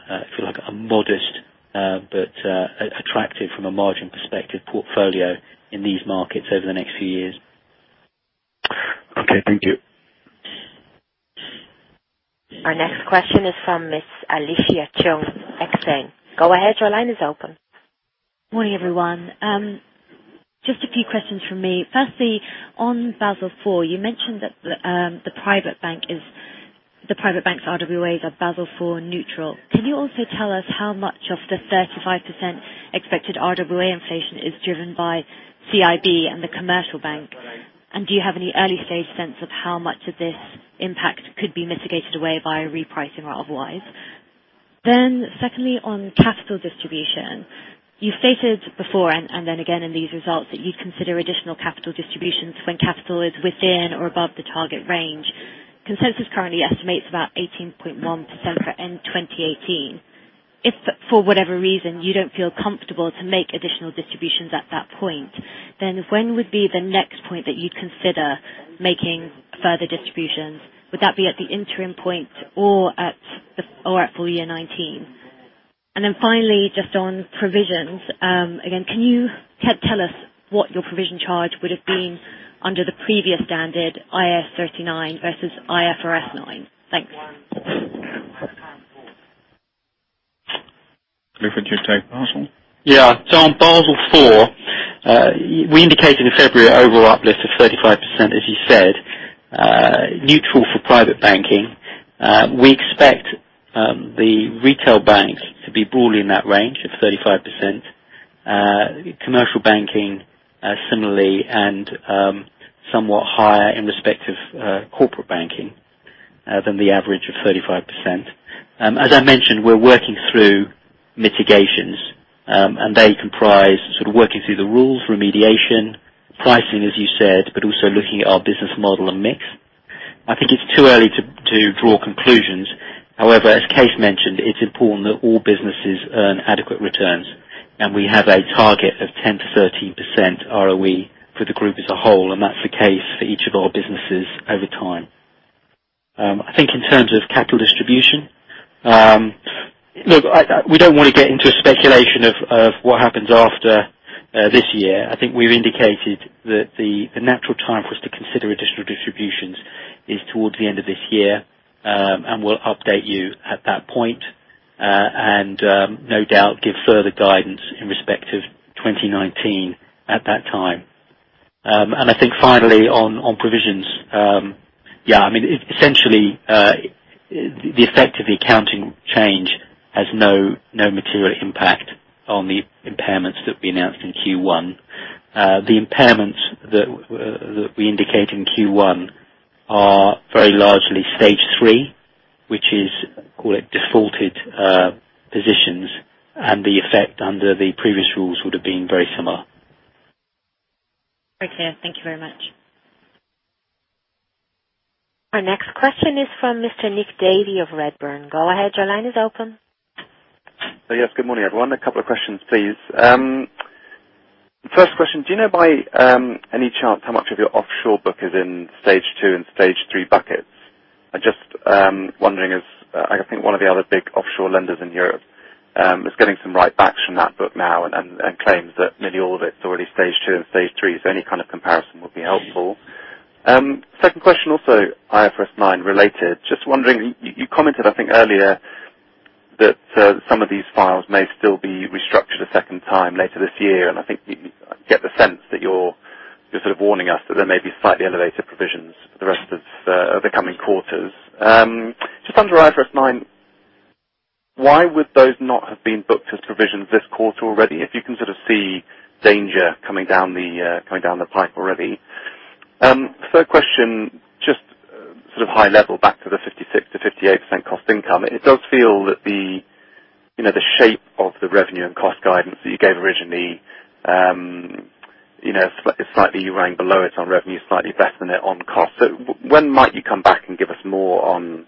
modest, but attractive from a margin perspective, portfolio in these markets over the next few years. Okay, thank you. Our next question is from Miss Alice Cheung of HSBC. Go ahead, your line is open. Morning, everyone. Just a few questions from me. Firstly, on Basel IV. You mentioned that the private bank's RWAs are Basel IV neutral. Can you also tell us how much of the 35% expected RWA inflation is driven by CIB and the commercial bank? Do you have any early stage sense of how much of this impact could be mitigated away by a repricing or otherwise? Secondly, on capital distribution. You stated before, and again in these results, that you consider additional capital distributions when capital is within or above the target range. Consensus currently estimates about 18.1% for end 2018. If for whatever reason you don't feel comfortable to make additional distributions at that point, when would be the next point that you'd consider making further distributions? Would that be at the interim point or at full year 2019? Finally, just on provisions. Again, can you tell us what your provision charge would have been under the previous standard, IAS 39 versus IFRS 9? Thanks. Clifford, you take Basel? Yeah. On Basel IV, we indicated in February an overall uplift of 35%, as you said. Neutral for private banking. We expect the retail banks to be broadly in that range of 35%. Commercial banking, similarly, and somewhat higher in respect of corporate banking than the average of 35%. As I mentioned, we're working through mitigations. They comprise working through the rules, remediation, pricing, as you said, but also looking at our business model and mix. I think it's too early to draw conclusions. However, as Kees mentioned, it's important that all businesses earn adequate returns, and we have a target of 10%-13% ROE for the group as a whole, and that's the case for each of our businesses over time. I think in terms of capital distribution. Look, we don't want to get into a speculation of what happens after this year. I think we've indicated that the natural time for us to consider additional distributions is towards the end of this year. We'll update you at that point, and no doubt give further guidance in respect of 2019 at that time. I think finally on provisions. Yeah, essentially, the effect of the accounting change has no material impact on the impairments that we announced in Q1. The impairments that we indicate in Q1 are very largely stage 3, which is, call it defaulted positions. The effect under the previous rules would have been very similar. Okay. Thank you very much. Our next question is from Mr. Nicholas Davey of Redburn. Go ahead, your line is open. Yes. Good morning, everyone. A couple of questions, please. First question, do you know by any chance how much of your offshore book is in stage 2 and stage 3 buckets? I'm just wondering if, I think one of the other big offshore lenders in Europe is getting some write backs from that book now and claims that maybe all of it's already stage 2 and stage 3. Any kind of comparison would be helpful. Second question also IFRS 9 related. Just wondering, you commented I think earlier That some of these files may still be restructured a second time later this year, and I think I get the sense that you're sort of warning us that there may be slightly elevated provisions for the rest of the coming quarters. Just under IFRS 9, why would those not have been booked as provisions this quarter already if you can sort of see danger coming down the pipe already? Third question, just sort of high level back to the 56%-58% cost-income. It does feel that the shape of the revenue and cost guidance that you gave originally slightly rang below it on revenue, slightly better net on cost. When might you come back and give us more on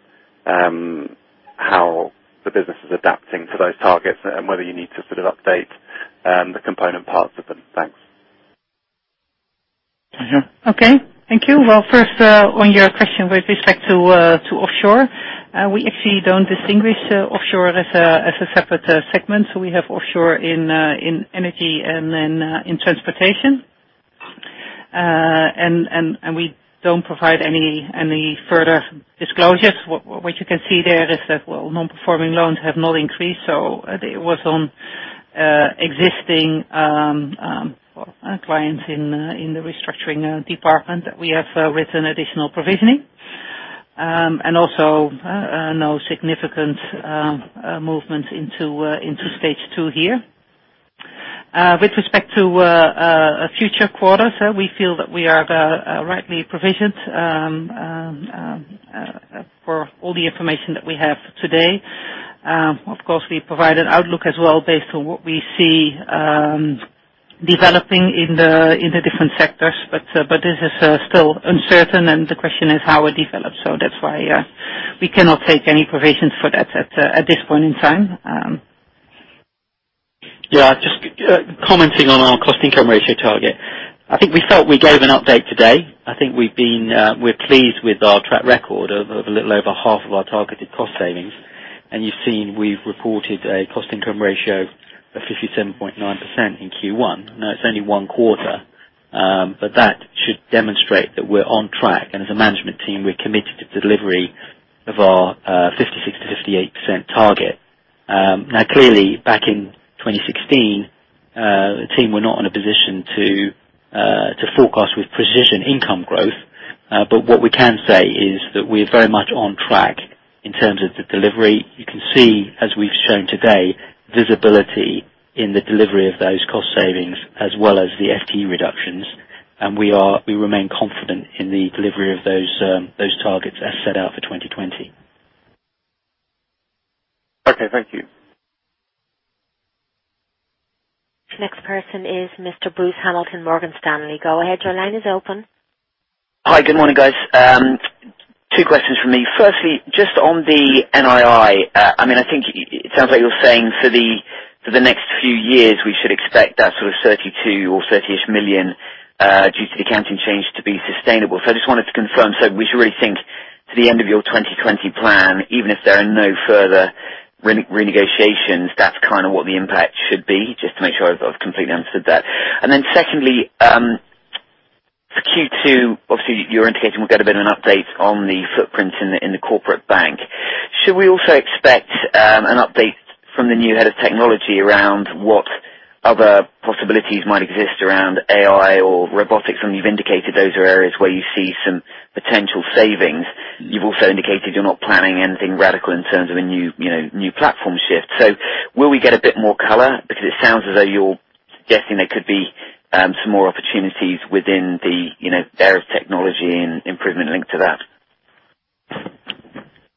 how the business is adapting to those targets and whether you need to update the component parts of them? Thanks. Okay. Thank you. Well, first on your question with respect to offshore. We actually don't distinguish offshore as a separate segment, so we have offshore in energy and in transportation. We don't provide any further disclosures. What you can see there is that, well, non-performing loans have not increased, so it was on existing clients in the restructuring department that we have written additional provisioning. Also no significant movement into stage 2 here. With respect to future quarters, we feel that we are rightly provisioned for all the information that we have today. Of course, we provide an outlook as well based on what we see developing in the different sectors. This is still uncertain, and the question is how it develops. That's why we cannot take any provisions for that at this point in time. Yeah, just commenting on our cost-income ratio target. I think we felt we gave an update today. I think we're pleased with our track record of a little over half of our targeted cost savings. You've seen we've reported a cost-income ratio of 57.9% in Q1. Now, it's only one quarter, but that should demonstrate that we're on track, and as a management team, we're committed to delivery of our 56%-58% target. Now, clearly, back in 2016, the team were not in a position to forecast with precision income growth. What we can say is that we're very much on track in terms of the delivery. You can see, as we've shown today, visibility in the delivery of those cost savings as well as the FTE reductions. We remain confident in the delivery of those targets as set out for 2020. Okay, thank you. The next person is Mr. Bruce Hamilton, Morgan Stanley. Go ahead, your line is open. Hi. Good morning, guys. Two questions from me. Firstly, just on the NII. It sounds like you're saying for the next few years, we should expect that sort of 32 million or 30-ish million due to the accounting change to be sustainable. I just wanted to confirm, so we should really think to the end of your 2020 plan, even if there are no further renegotiations, that's kind of what the impact should be, just to make sure I've completely answered that. Secondly, for Q2, obviously, you're indicating we'll get a bit of an update on the footprint in the corporate bank. Should we also expect an update from the new head of technology around what other possibilities might exist around AI or robotics? I mean, you've indicated those are areas where you see some potential savings. You've also indicated you're not planning anything radical in terms of a new platform shift. Will we get a bit more color? Because it sounds as though you're suggesting there could be some more opportunities within the area of technology and improvement linked to that.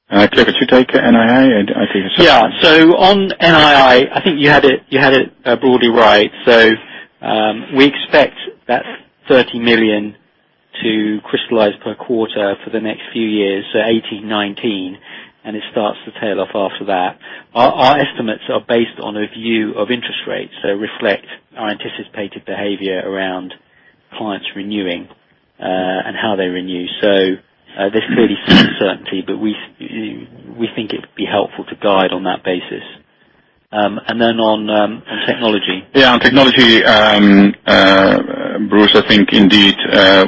Do you want to take NII, I'll take the second one. On NII, I think you had it broadly right. We expect that 30 million to crystallize per quarter for the next few years, 2018/2019, and it starts to tail off after that. Our estimates are based on a view of interest rates, reflect our anticipated behavior around clients renewing and how they renew. There is clearly some uncertainty, but we think it would be helpful to guide on that basis. On technology. On technology, Bruce, I think indeed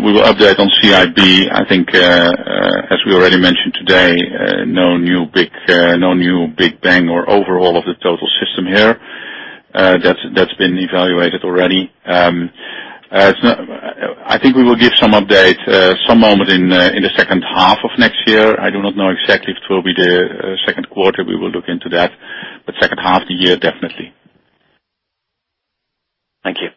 we will update on CIB. I think as we already mentioned today, no new big bang or overhaul of the total system here. That has been evaluated already. I think we will give some update some moment in the second half of next year. I do not know exactly if it will be the second quarter. We will look into that. Second half of the year, definitely. Thank you.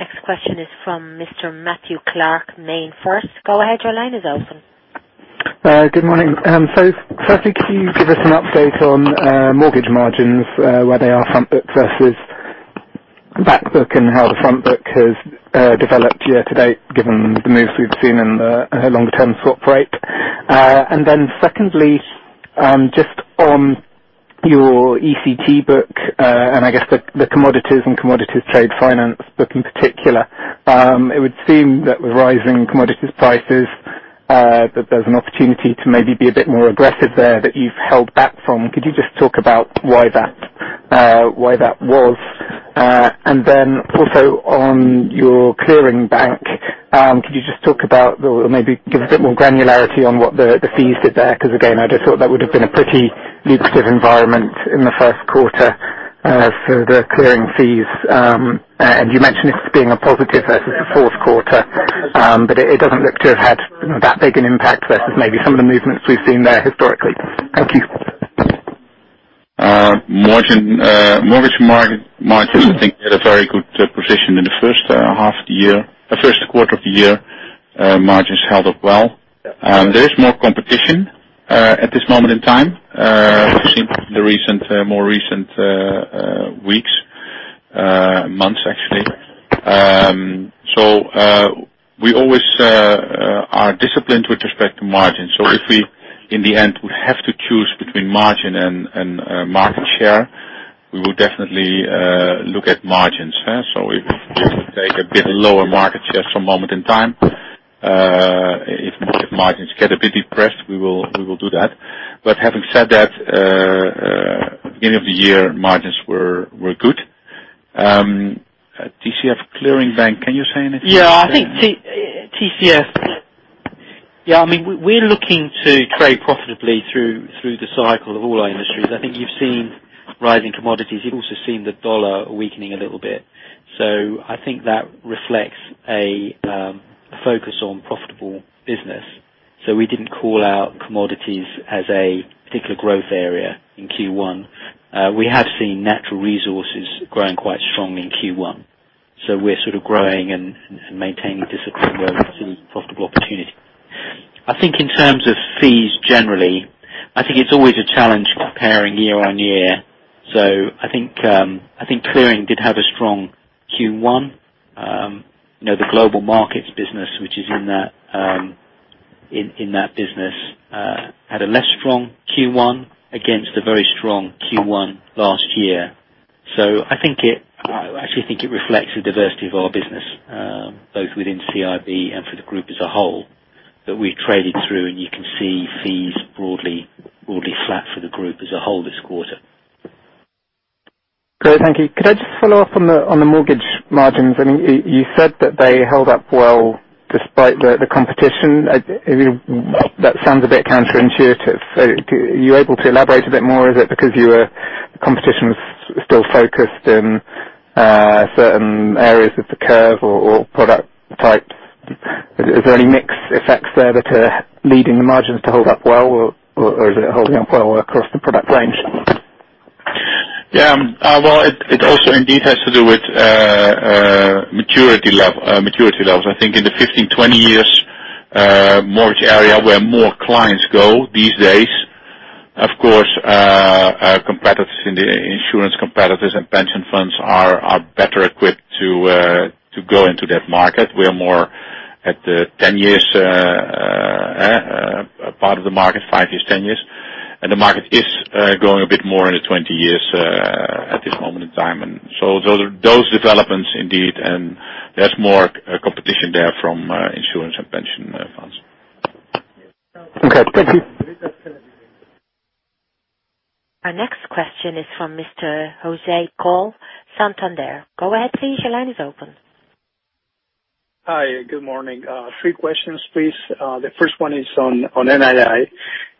Next question is from Mr. Matthew Clark, MainFirst. Go ahead, your line is open. Good morning. Firstly, could you give us an update on mortgage margins where they are front book versus back book, and how the front book has developed year-to-date given the moves we've seen in the longer term swap rate. Secondly, just on your ECT book, and I guess the commodities and commodities trade finance book in particular. It would seem that with rising commodities prices, that there's an opportunity to maybe be a bit more aggressive there that you've held back from. Could you just talk about why that was. Also on your clearing bank, could you just talk about or maybe give a bit more granularity on what the fees did there? Because again, I just thought that would have been a pretty lucrative environment in the first quarter for the clearing fees. You mentioned this as being a positive versus the fourth quarter, it doesn't look to have had that big an impact versus maybe some of the movements we've seen there historically. Thank you. Mortgage margins, I think, had a very good position in the first quarter of the year. Margins held up well. There is more competition at this moment in time, the more recent weeks, months actually. We always are disciplined with respect to margins. If we, in the end, would have to choose between margin and market share, we will definitely look at margins. We will take a bit lower market share for a moment in time. If margins get a bit depressed, we will do that. Having said that, beginning of the year, margins were good. TCF Clearing Bank, can you say anything? I think TCF We're looking to trade profitably through the cycle of all our industries. I think you've seen rising commodities. You've also seen the U.S. dollar weakening a little bit. I think that reflects a focus on profitable business. We didn't call out commodities as a particular growth area in Q1. We have seen natural resources growing quite strongly in Q1. We're sort of growing and maintaining discipline where we see profitable opportunity. I think in terms of fees generally, I think it's always a challenge comparing year-on-year. I think clearing did have a strong Q1. The global markets business, which is in that business, had a less strong Q1 against a very strong Q1 last year. I actually think it reflects the diversity of our business, both within CIB and for the group as a whole, that we traded through, and you can see fees broadly flat for the group as a whole this quarter. Great. Thank you. Could I just follow up on the mortgage margins? I mean, you said that they held up well despite the competition. That sounds a bit counterintuitive. Are you able to elaborate a bit more? Is it because the competition was still focused in certain areas of the curve or product type? Is there any mix effects there that are leading the margins to hold up well, or is it holding up well across the product range? Yeah. Well, it also indeed has to do with maturity levels. I think in the 15-20 years mortgage area where more clients go these days, of course, competitors in the insurance, competitors and pension funds are better equipped to go into that market, where more at the 10 years part of the market. 5 years, 10 years. The market is growing a bit more in the 20 years at this moment in time. Those developments indeed, and there's more competition there from insurance and pension funds. Okay. Thank you. Our next question is from Mr. José Coll, Santander. Go ahead please, your line is open. Hi, good morning. Three questions please. The first one is on NII.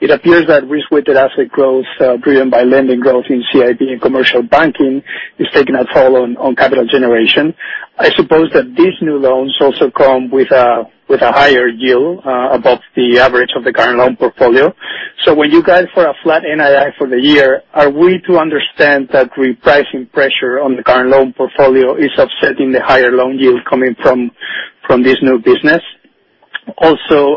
It appears that risk-weighted asset growth, driven by lending growth in CIB and commercial banking, is taking a toll on capital generation. I suppose that these new loans also come with a higher yield above the average of the current loan portfolio. When you guide for a flat NII for the year, are we to understand that repricing pressure on the current loan portfolio is upsetting the higher loan yield coming from this new business?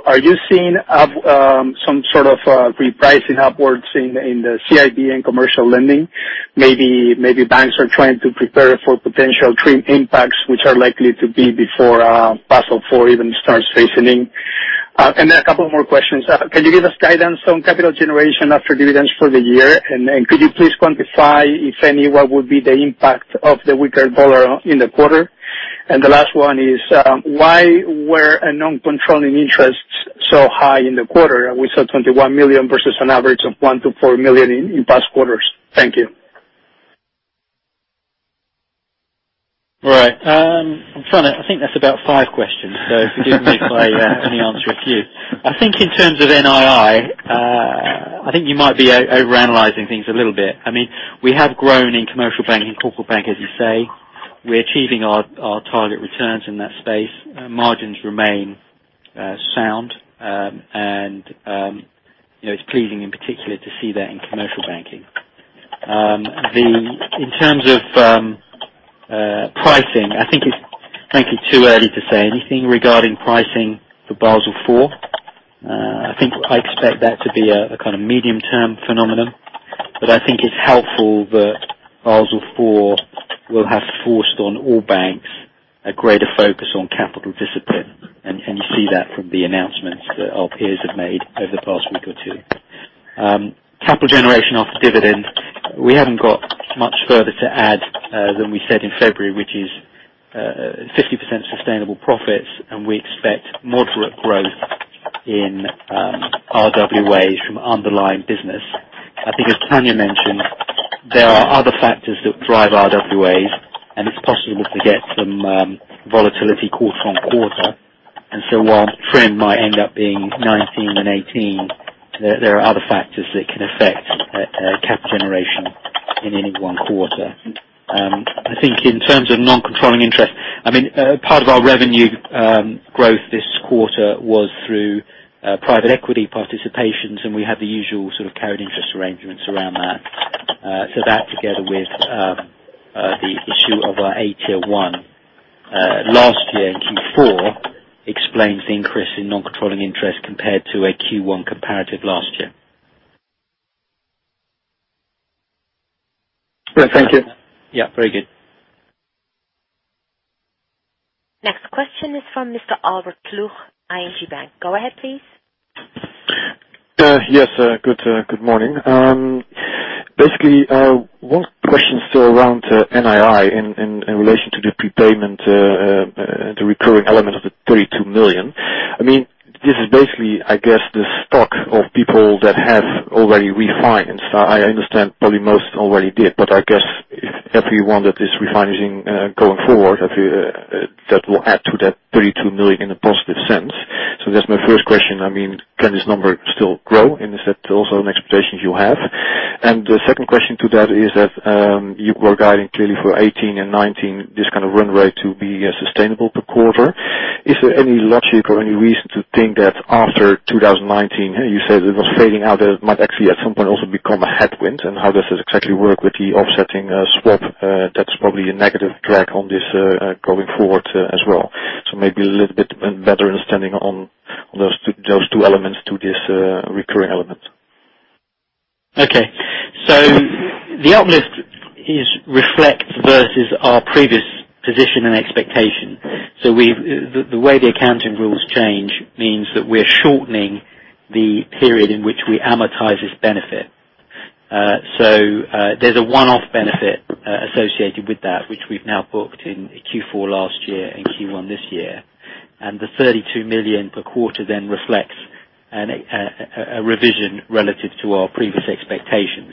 Are you seeing some sort of repricing upwards in the CIB and commercial lending? Maybe banks are trying to prepare for potential TRIM impacts, which are likely to be before Basel IV even starts facing in. A couple more questions. Can you give us guidance on capital generation after dividends for the year? Could you please quantify, if any, what would be the impact of the weaker U.S. dollar in the quarter? The last one is, why were non-controlling interests so high in the quarter? We saw 21 million versus an average of 1 million-4 million in past quarters. Thank you. Right. I think that's about five questions. Forgive me if I only answer a few. I think in terms of NII, I think you might be overanalyzing things a little bit. We have grown in commercial banking and corporate bank, as you say. We're achieving our target returns in that space. Margins remain sound. It's pleasing in particular to see that in commercial banking. In terms of pricing, I think it's frankly too early to say anything regarding pricing for Basel IV. I expect that to be a kind of medium-term phenomenon. I think it's helpful that Basel IV will have forced on all banks a greater focus on capital discipline, and you see that from the announcements that our peers have made over the past week or two. Capital generation after dividends, we haven't got much further than we said in February, which is 50% sustainable profits, and we expect moderate growth in RWAs from underlying business. As Tanja mentioned, there are other factors that drive RWAs, and it's possible to get some volatility quarter-on-quarter. While trend might end up being 19 and 18, there are other factors that can affect cap generation in any one quarter. In terms of non-controlling interest, part of our revenue growth this quarter was through private equity participations, and we had the usual sort of carried interest arrangements around that. That together with the issue of our AT1 last year in Q4 explains the increase in non-controlling interest compared to a Q1 comparative last year. Thank you. Yeah. Very good. Next question is from Mr. Albert Ploegh, ING Bank. Go ahead, please. Good morning. One question still around NII in relation to the prepayment, the recurring element of the 32 million. This is basically, I guess, the stock of people that have already refinanced. I understand probably most already did, I guess if everyone that is refinancing going forward, that will add to that 32 million in a positive sense. That's my first question. Can this number still grow, is that also an expectation you have? The second question to that is that you were guiding clearly for 2018 and 2019, this kind of run rate to be sustainable per quarter. Is there any logic or any reason to think that after 2019, you said it was fading out, that it might actually at some point also become a headwind? How does this exactly work with the offsetting swap? That's probably a negative drag on this going forward as well. Maybe a little bit better understanding on those two elements to this recurring element. Okay. The uplift reflects versus our previous position and expectation. The way the accounting rules change means that we're shortening the period in which we amortize this benefit. There's a one-off benefit associated with that, which we've now booked in Q4 last year and Q1 this year. The 32 million per quarter then reflects a revision relative to our previous expectations.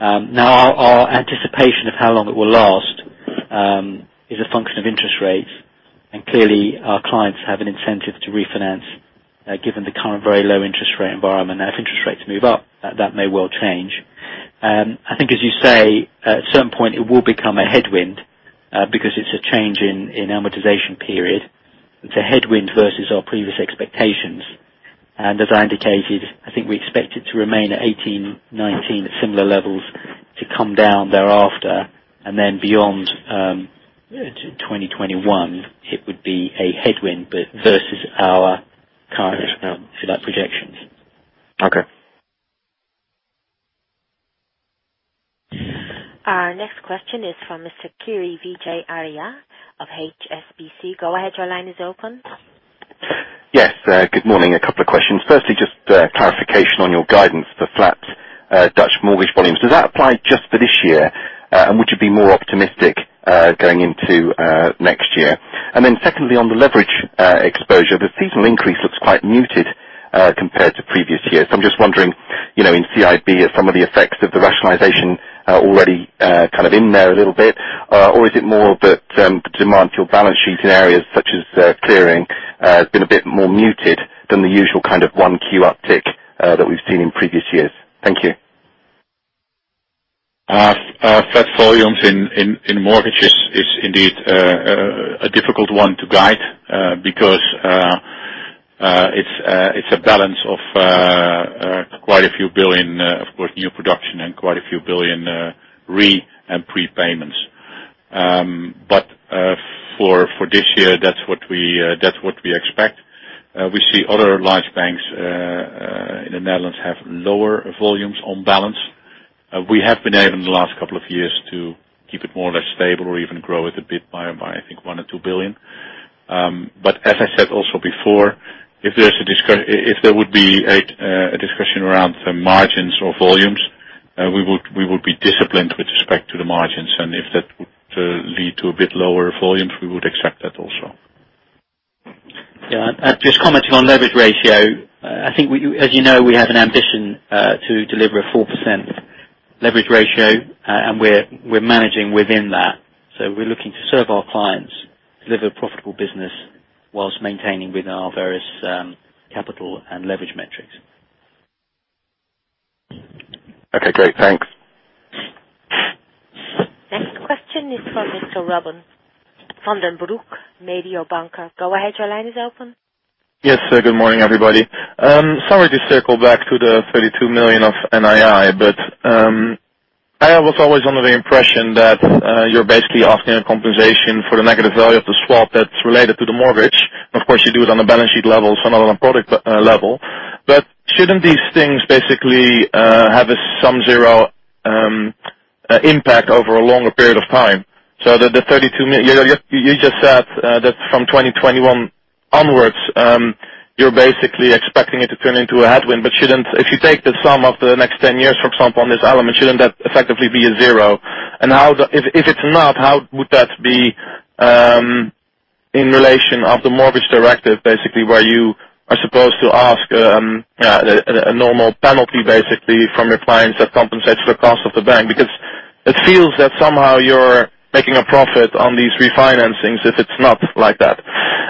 Our anticipation of how long it will last is a function of interest rates, clearly, our clients have an incentive to refinance, given the current very low interest rate environment. If interest rates move up, that may well change. I think, as you say, at a certain point, it will become a headwind because it's a change in amortization period. It's a headwind versus our previous expectations. As I indicated, I think we expect it to remain at 2018, 2019, at similar levels to come down thereafter. Then beyond 2021, it would be a headwind versus our current projections. Okay. Our next question is from Mr. Kiri Vijay Arya of HSBC. Go ahead, your line is open. Yes. Good morning. A couple of questions. Firstly, just clarification on your guidance for flat Dutch mortgage volumes. Does that apply just for this year? Would you be more optimistic going into next year? Secondly, on the leverage exposure, the seasonal increase looks quite muted compared to previous years. I'm just wondering, in CIB, are some of the effects of the rationalization already kind of in there a little bit? Is it more that the demand for balance sheet in areas such as clearing has been a bit more muted than the usual kind of 1 Q uptick that we've seen in previous years? Thank you. Flat volumes in mortgages is indeed a difficult one to guide because it's a balance of quite a few billion, of course, new production and quite a few billion re- and prepayments. For this year, that's what we expect. We see other large banks in the Netherlands have lower volumes on balance. We have been able in the last couple of years to keep it more or less stable or even grow it a bit by, I think, one or two billion. As I said also before, if there would be a discussion around margins or volumes, we would be disciplined with respect to the margins. If that would lead to a bit lower volumes, we would accept that also. Just commenting on leverage ratio, I think as you know, we have an ambition to deliver a 4% leverage ratio, and we're managing within that. We're looking to serve our clients, deliver profitable business whilst maintaining with our various capital and leverage metrics. Okay, great. Thanks. Next question is from Mr. Robin van den Broek, Mediobanca. Go ahead, your line is open. Yes. Good morning, everybody. Sorry to circle back to the 32 million of NII, I was always under the impression that you're basically asking a compensation for the negative value of the swap that's related to the mortgage. Of course, you do it on a balance sheet level, not on a product level. Shouldn't these things basically have a sum zero impact over a longer period of time? You just said that from 2021 onwards, you're basically expecting it to turn into a headwind. If you take the sum of the next 10 years, for example, on this element, shouldn't that effectively be a zero? If it's not, how would that be in relation of the mortgage directive, basically, where you are supposed to ask a normal penalty from your clients that compensates for the cost of the bank? It feels that somehow you're making a profit on these refinancings, if it's not like that.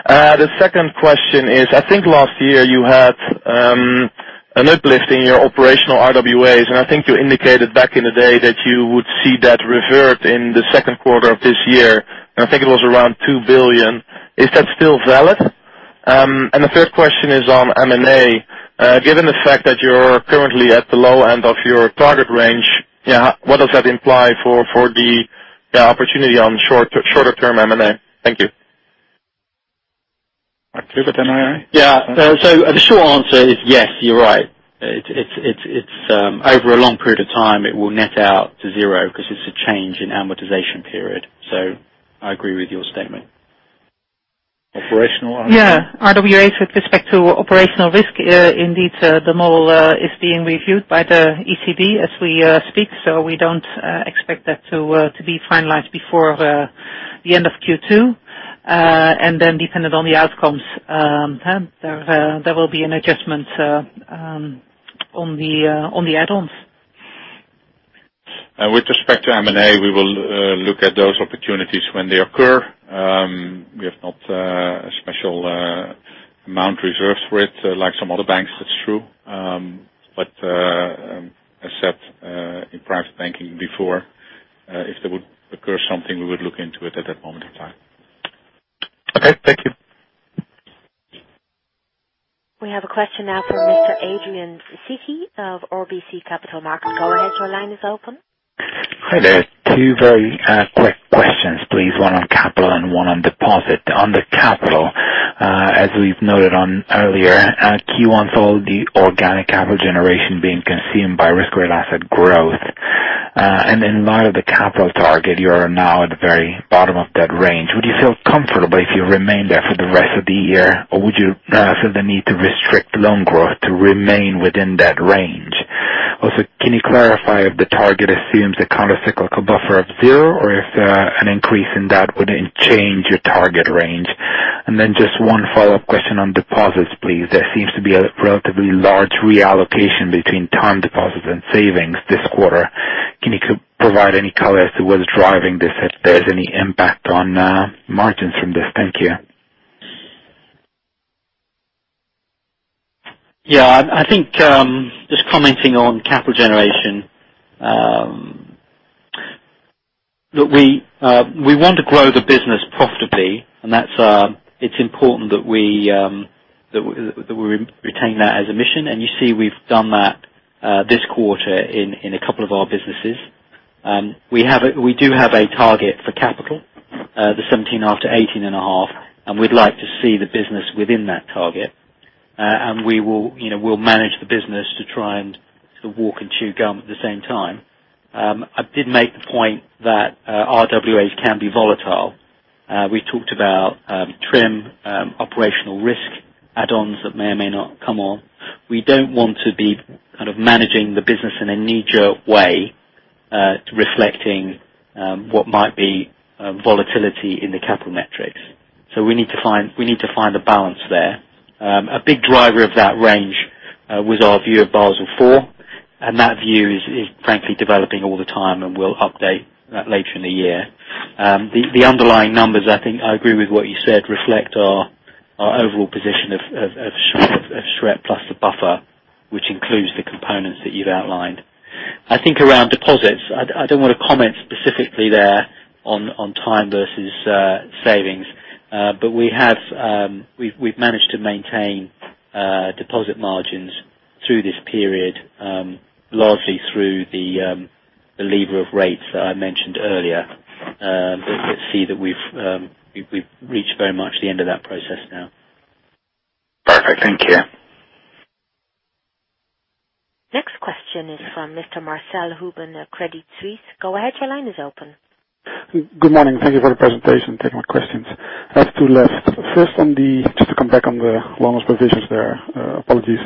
The second question is, I think last year you had an uplift in your operational RWAs, and I think you indicated back in the day that you would see that revert in the second quarter of this year, and I think it was around 2 billion. Is that still valid? The third question is on M&A. Given the fact that you're currently at the low end of your target range, what does that imply for the opportunity on shorter-term M&A? Thank you. I'll give it to Tanja. The short answer is yes, you're right. Over a long period of time, it will net out to zero because it's a change in amortization period. I agree with your statement. Operational RWA. RWA with respect to operational risk. Indeed, the model is being reviewed by the ECB as we speak. We don't expect that to be finalized before the end of Q2. Then dependent on the outcomes, there will be an adjustment on the add-ons. With respect to M&A, we will look at those opportunities when they occur. We have not a special amount reserved for it, like some other banks. That's true. As said in private banking before, if there would occur something, we would look into it at that moment in time. Okay. Thank you. We have a question now from Mr. Adrian Cencioni of RBC Capital Markets. Go ahead, your line is open. Hi there. Two very quick questions, please. One on capital and one on deposit. On the capital, as we've noted on earlier, Q1 followed the organic capital generation being consumed by risk-weighted asset growth. In light of the capital target, you are now at the very bottom of that range. Would you feel comfortable if you remain there for the rest of the year, or would you feel the need to restrict loan growth to remain within that range? Also, can you clarify if the target assumes a countercyclical buffer of zero or if an increase in that wouldn't change your target range? Then just one follow-up question on deposits, please. There seems to be a relatively large reallocation between time deposits and savings this quarter. Can you provide any color as to what is driving this, if there's any impact on margins from this? Thank you. I think just commenting on capital generation. Look, we want to grow the business profitably, and it's important that we retain that as a mission, and you see we've done that this quarter in a couple of our businesses. We do have a target for capital, the 17 after 18.5, and we'd like to see the business within that target. We'll manage the business to try and to walk and chew gum at the same time. I did make the point that RWAs can be volatile. We talked about TRIM operational risk add-ons that may or may not come on. We don't want to be managing the business in a knee-jerk way to reflecting what might be volatility in the capital metrics. We need to find a balance there. A big driver of that range was our view of Basel IV, and that view is frankly developing all the time and will update later in the year. The underlying numbers, I think I agree with what you said, reflect our overall position of SREP plus the buffer, which includes the components that you've outlined. I think around deposits, I don't want to comment specifically there on time versus savings. We've managed to maintain deposit margins through this period, largely through the lever of rates that I mentioned earlier. You'll see that we've reached very much the end of that process now. Perfect. Thank you. Next question is from Mr. Marcel Hubers, Credit Suisse. Go ahead, your line is open. Good morning. Thank you for the presentation. Thank you for my questions. I have two left. Just to come back on the loan loss provisions there. Apologies.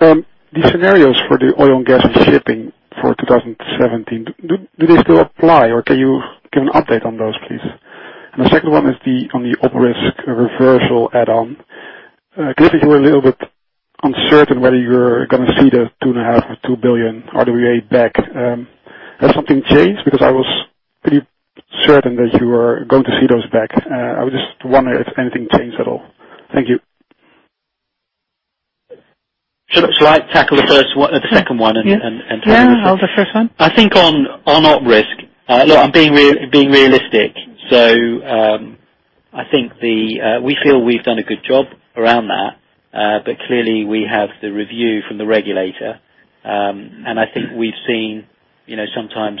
The scenarios for the oil and gas and shipping for 2017, do they still apply, or can you give an update on those, please? The second one is on the op risk reversal add-on. Given you were a little bit uncertain whether you were going to see the 2.5 billion or 2 billion RWA back. Has something changed? I was pretty certain that you were going to see those back. I was just wondering if anything changed at all. Thank you. Should I tackle the second one and turn over the first? Yeah, I'll do first one. I think on op risk. Look, I'm being realistic. We feel we've done a good job around that. Clearly we have the review from the regulator. I think we've seen sometimes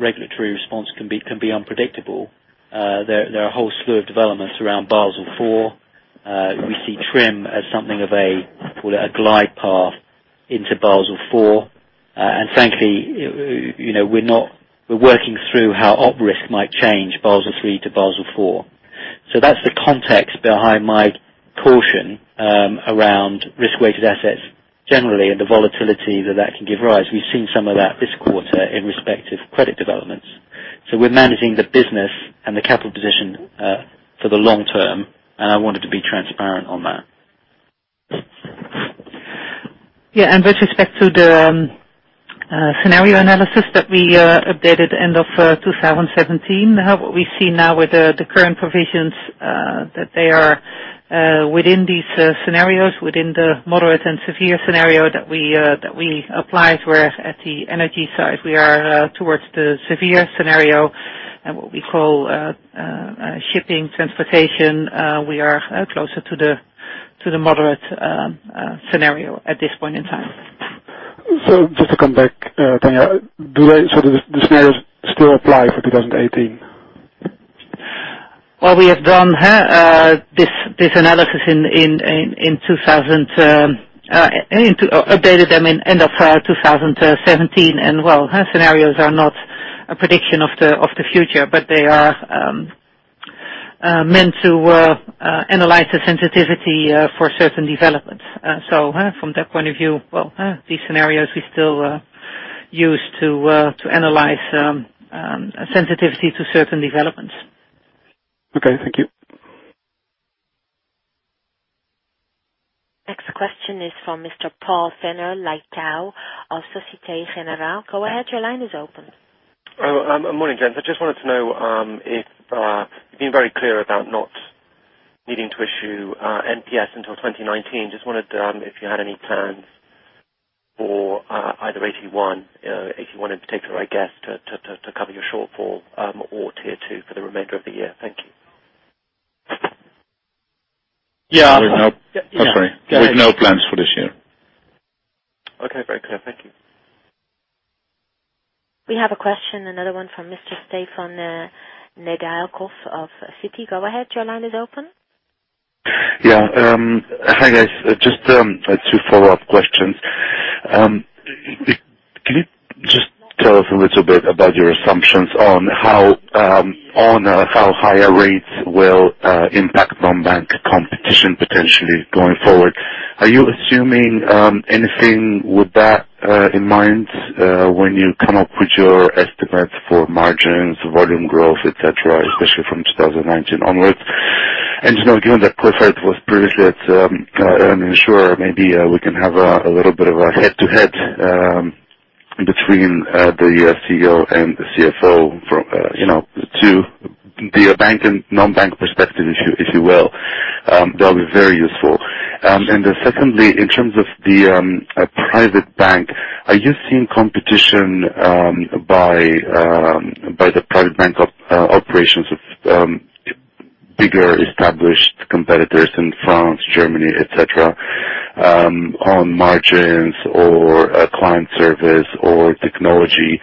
regulatory response can be unpredictable. There are a whole slew of developments around Basel IV. We see TRIM as, call it a glide path into Basel IV. Frankly, we're working through how op risk might change Basel III to Basel IV. That's the context behind my caution around risk-weighted assets generally and the volatility that that can give rise. We've seen some of that this quarter in respective credit developments. We're managing the business and the capital position for the long term, and I wanted to be transparent on that. Yeah. With respect to the scenario analysis that we updated end of 2017, what we see now with the current provisions, that they are within these scenarios, within the moderate and severe scenario that we applied were at the energy side. We are towards the severe scenario and what we call shipping transportation. We are closer to the moderate scenario at this point in time. Just to come back, Tanja. Do the scenarios still apply for 2018? Well, we have done this analysis, updated them in end of 2017. Well, scenarios are not a prediction of the future, but they are meant to analyze the sensitivity for certain developments. From that point of view, well, these scenarios we still use to analyze sensitivity to certain developments. Okay, thank you. Next question is from Mr. Paul Fenner, Societe Generale. Go ahead, your line is open. Morning, gents. I just wanted to know, you've been very clear about not needing to issue SNP until 2019. Just wondered if you had any plans for either AT1, particularly I guess, to cover your shortfall, or Tier 2 for the remainder of the year. Thank you. Yeah. We've no plans for this year. Okay, very clear. Thank you. We have a question, another one from Mr. Stefan Nedialkov of Citi. Go ahead, your line is open. Yeah. Hi, guys. Just two follow-up questions. Can you just tell us a little bit about your assumptions on how higher rates will impact non-bank competition potentially going forward? Are you assuming anything with that in mind, when you come up with your estimates for margins, volume growth, et cetera, especially from 2019 onwards? Given that Clifford was previously an insurer, maybe we can have a little bit of a head-to-head between the CEO and the CFO to the bank and non-bank perspective, if you will. That'll be very useful. Secondly, in terms of the private bank, are you seeing competition by the private bank operations of bigger established competitors in France, Germany, et cetera, on margins or client service or technology?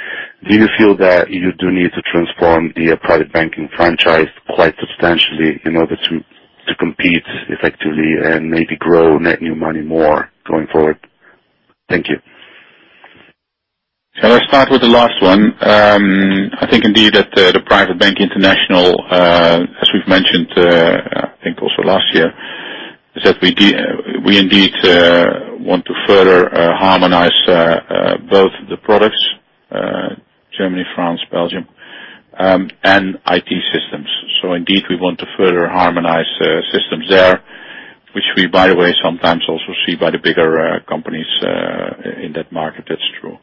Do you feel that you do need to transform the private banking franchise quite substantially in order to compete effectively and maybe grow net new money more going forward? Thank you. I'll start with the last one. I think indeed at the Private Bank International, as we've mentioned, I think also last year, is that we indeed want to further harmonize both the products, Germany, France, Belgium, and IT systems. Indeed, we want to further harmonize systems there, which we, by the way, sometimes also see by the bigger companies, in that market. That's true.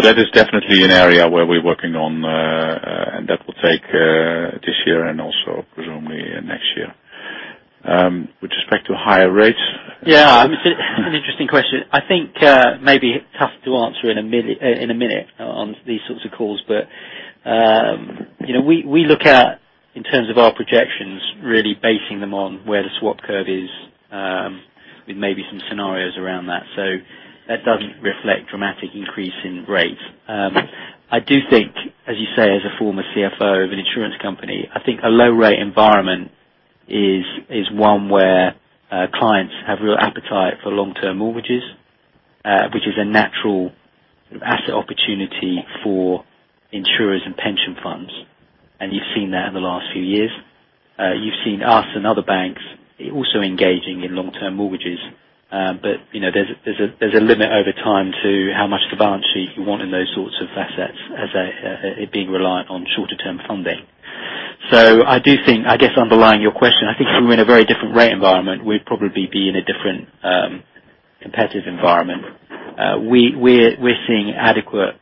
That is definitely an area where we're working on, and that will take this year and also presumably next year. With respect to higher rates- Yeah. An interesting question. I think maybe tough to answer in a minute on these sorts of calls. We look at, in terms of our projections, really basing them on where the swap curve is, with maybe some scenarios around that. That doesn't reflect dramatic increase in rates. I do think, as you say, as a former CFO of an insurance company, I think a low rate environment is one where clients have real appetite for long-term mortgages, which is a natural asset opportunity for insurers and pension funds. You've seen that in the last few years. You've seen us and other banks also engaging in long-term mortgages. There's a limit over time to how much of the balance sheet you want in those sorts of assets as they being reliant on shorter-term funding. I guess underlying your question, I think if we were in a very different rate environment, we'd probably be in a different competitive environment. We're seeing adequate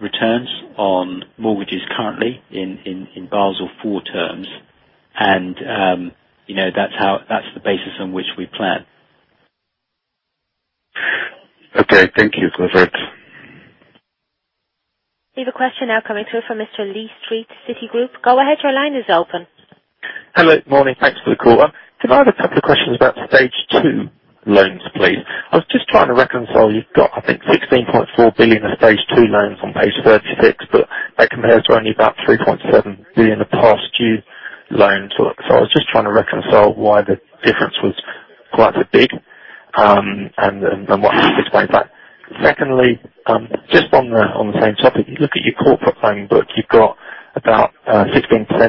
returns on mortgages currently in Basel IV terms. That's the basis on which we plan. Okay. Thank you, Clifford. We have a question now coming through from Mr. Lee Street, Citigroup. Go ahead, your line is open. Hello. Morning. Thanks for the call. Can I have a couple of questions about stage 2 loans, please? I was just trying to reconcile, you've got I think 16.4 billion of stage 2 loans on page 36, but that compares to only about 3.7 billion of past due loans. I was just trying to reconcile why the difference was quite so big, and then what to explain that. Secondly, just on the same topic, you look at your corporate loan book, you've got about 16%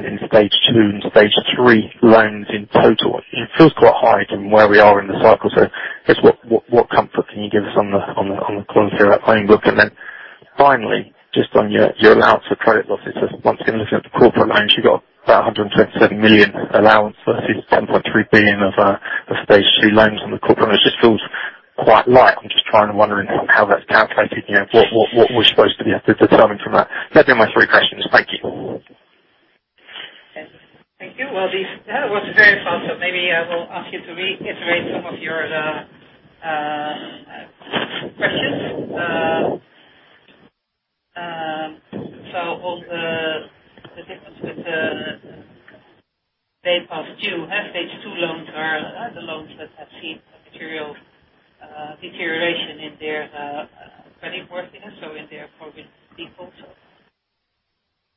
in Stage 2 and Stage 3 loans in total. It feels quite high from where we are in the cycle. I guess what comfort can you give us on the clarity of that loan book? Finally, just on your allowance for credit losses. Once again, looking at the corporate loans, you've got about 127 million allowance versus 10.3 billion of Stage 3 loans on the corporate. It just feels quite light. I'm just trying to wonder how that's calculated. What we're supposed to be determining from that? Those are my three questions. Thank you. Thank you. These, that was very fast, so maybe I will ask you to reiterate some of your questions. Of the difference with the Stage 2. Stage 2 loans are the loans that have seen material deterioration in their creditworthiness, so in their probability of default.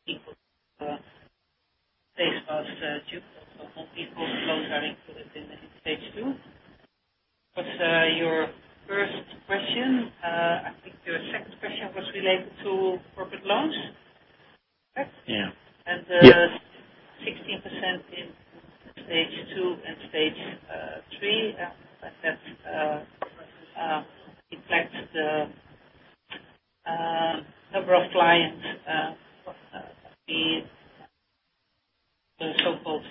Default Stage 2. Default people's loans are included in Stage 2. That was your first question. I think your second question was related to corporate loans, correct? Yeah. The 16% in Stage 2 and Stage 3, that reflects the number of clients, the so-called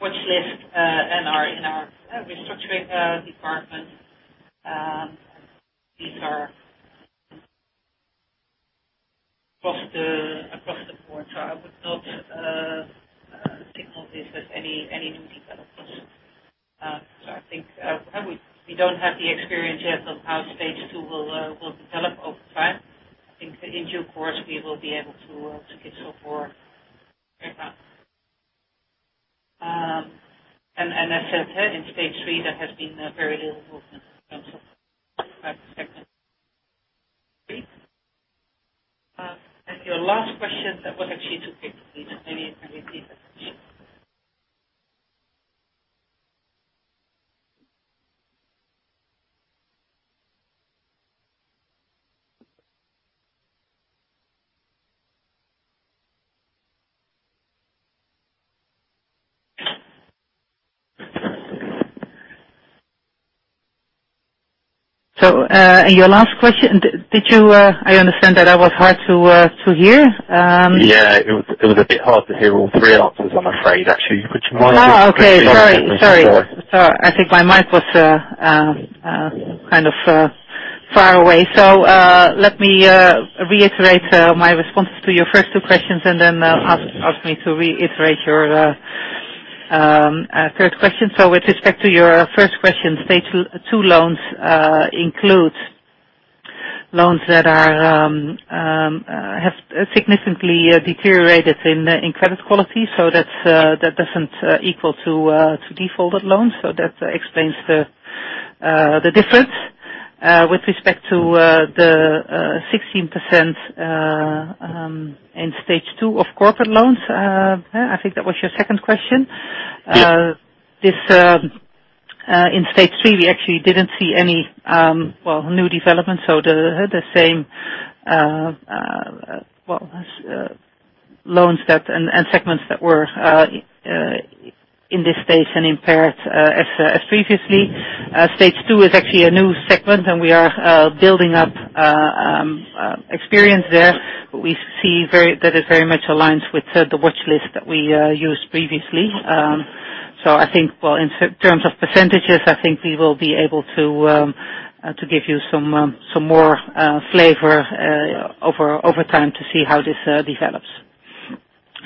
watchlist in our restructuring department. These are across the board. I would not signal this as any new development. I think we don't have the experience yet of how Stage 2 will develop over time. I think in due course, we will be able to give some more feedback. As I said, in Stage 3, there has been very little movement in terms of the second three. Your last question, that was actually too quickly. Maybe can you repeat that question? Your last question, I understand that I was hard to hear. Yeah. It was a bit hard to hear all three answers, I'm afraid, actually. Would you mind just repeating them? Oh, okay. Sorry. I think my mic was kind of far away. Let me reiterate my responses to your first two questions, and then ask me to reiterate your third question. With respect to your first question, Stage 2 loans includes loans that have significantly deteriorated in credit quality. That doesn't equal to defaulted loans. That explains the difference. With respect to the 16% in Stage 2 of corporate loans, I think that was your second question. Yeah. In Stage 3, we actually didn't see any new developments. The same loans and segments that were in this stage and impaired as previously. Stage 2 is actually a new segment, and we are building up experience there. We see that it very much aligns with the watchlist that we used previously. I think in terms of percentages, I think we will be able to give you some more flavor over time to see how this develops.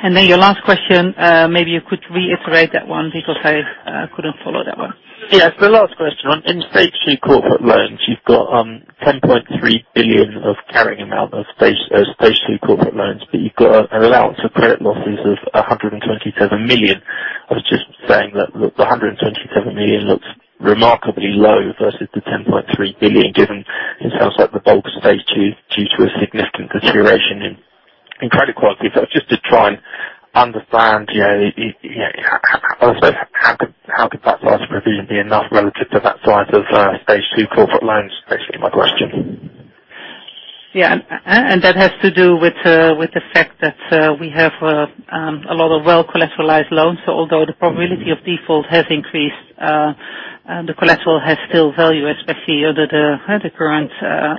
Your last question, maybe you could reiterate that one because I couldn't follow that one. Yeah. The last question. In Stage 2 corporate loans, you've got 10.3 billion of carrying amount of Stage 2 corporate loans, but you've got an allowance for credit losses of 127 million. I was just saying that the 127 million looks remarkably low versus the 10.3 billion, given it sounds like the bulk of Stage 2 is due to a significant deterioration in credit quality. Just to try and understand how could that size of provision be enough relative to that size of Stage 2 corporate loans, basically my question. Yeah. That has to do with the fact that we have a lot of well-collateralized loans. Although the probability of default has increased, the collateral has still value, especially under the current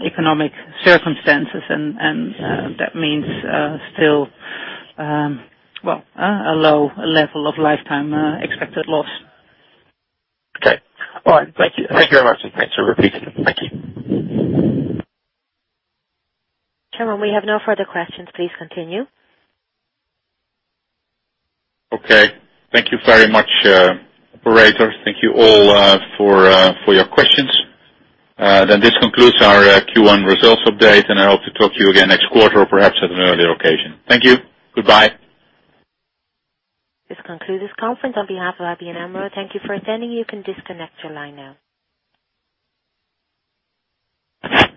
economic circumstances. That means, still, a low level of lifetime expected loss. Okay. All right. Thank you. Thank you very much, and thanks for repeating it. Thank you. Chairman, we have no further questions. Please continue. Okay. Thank you very much, operator. Thank you all for your questions. This concludes our Q1 results update, and I hope to talk to you again next quarter or perhaps at an earlier occasion. Thank you. Goodbye. This concludes the conference. On behalf of ABN AMRO, thank you for attending. You can disconnect your line now.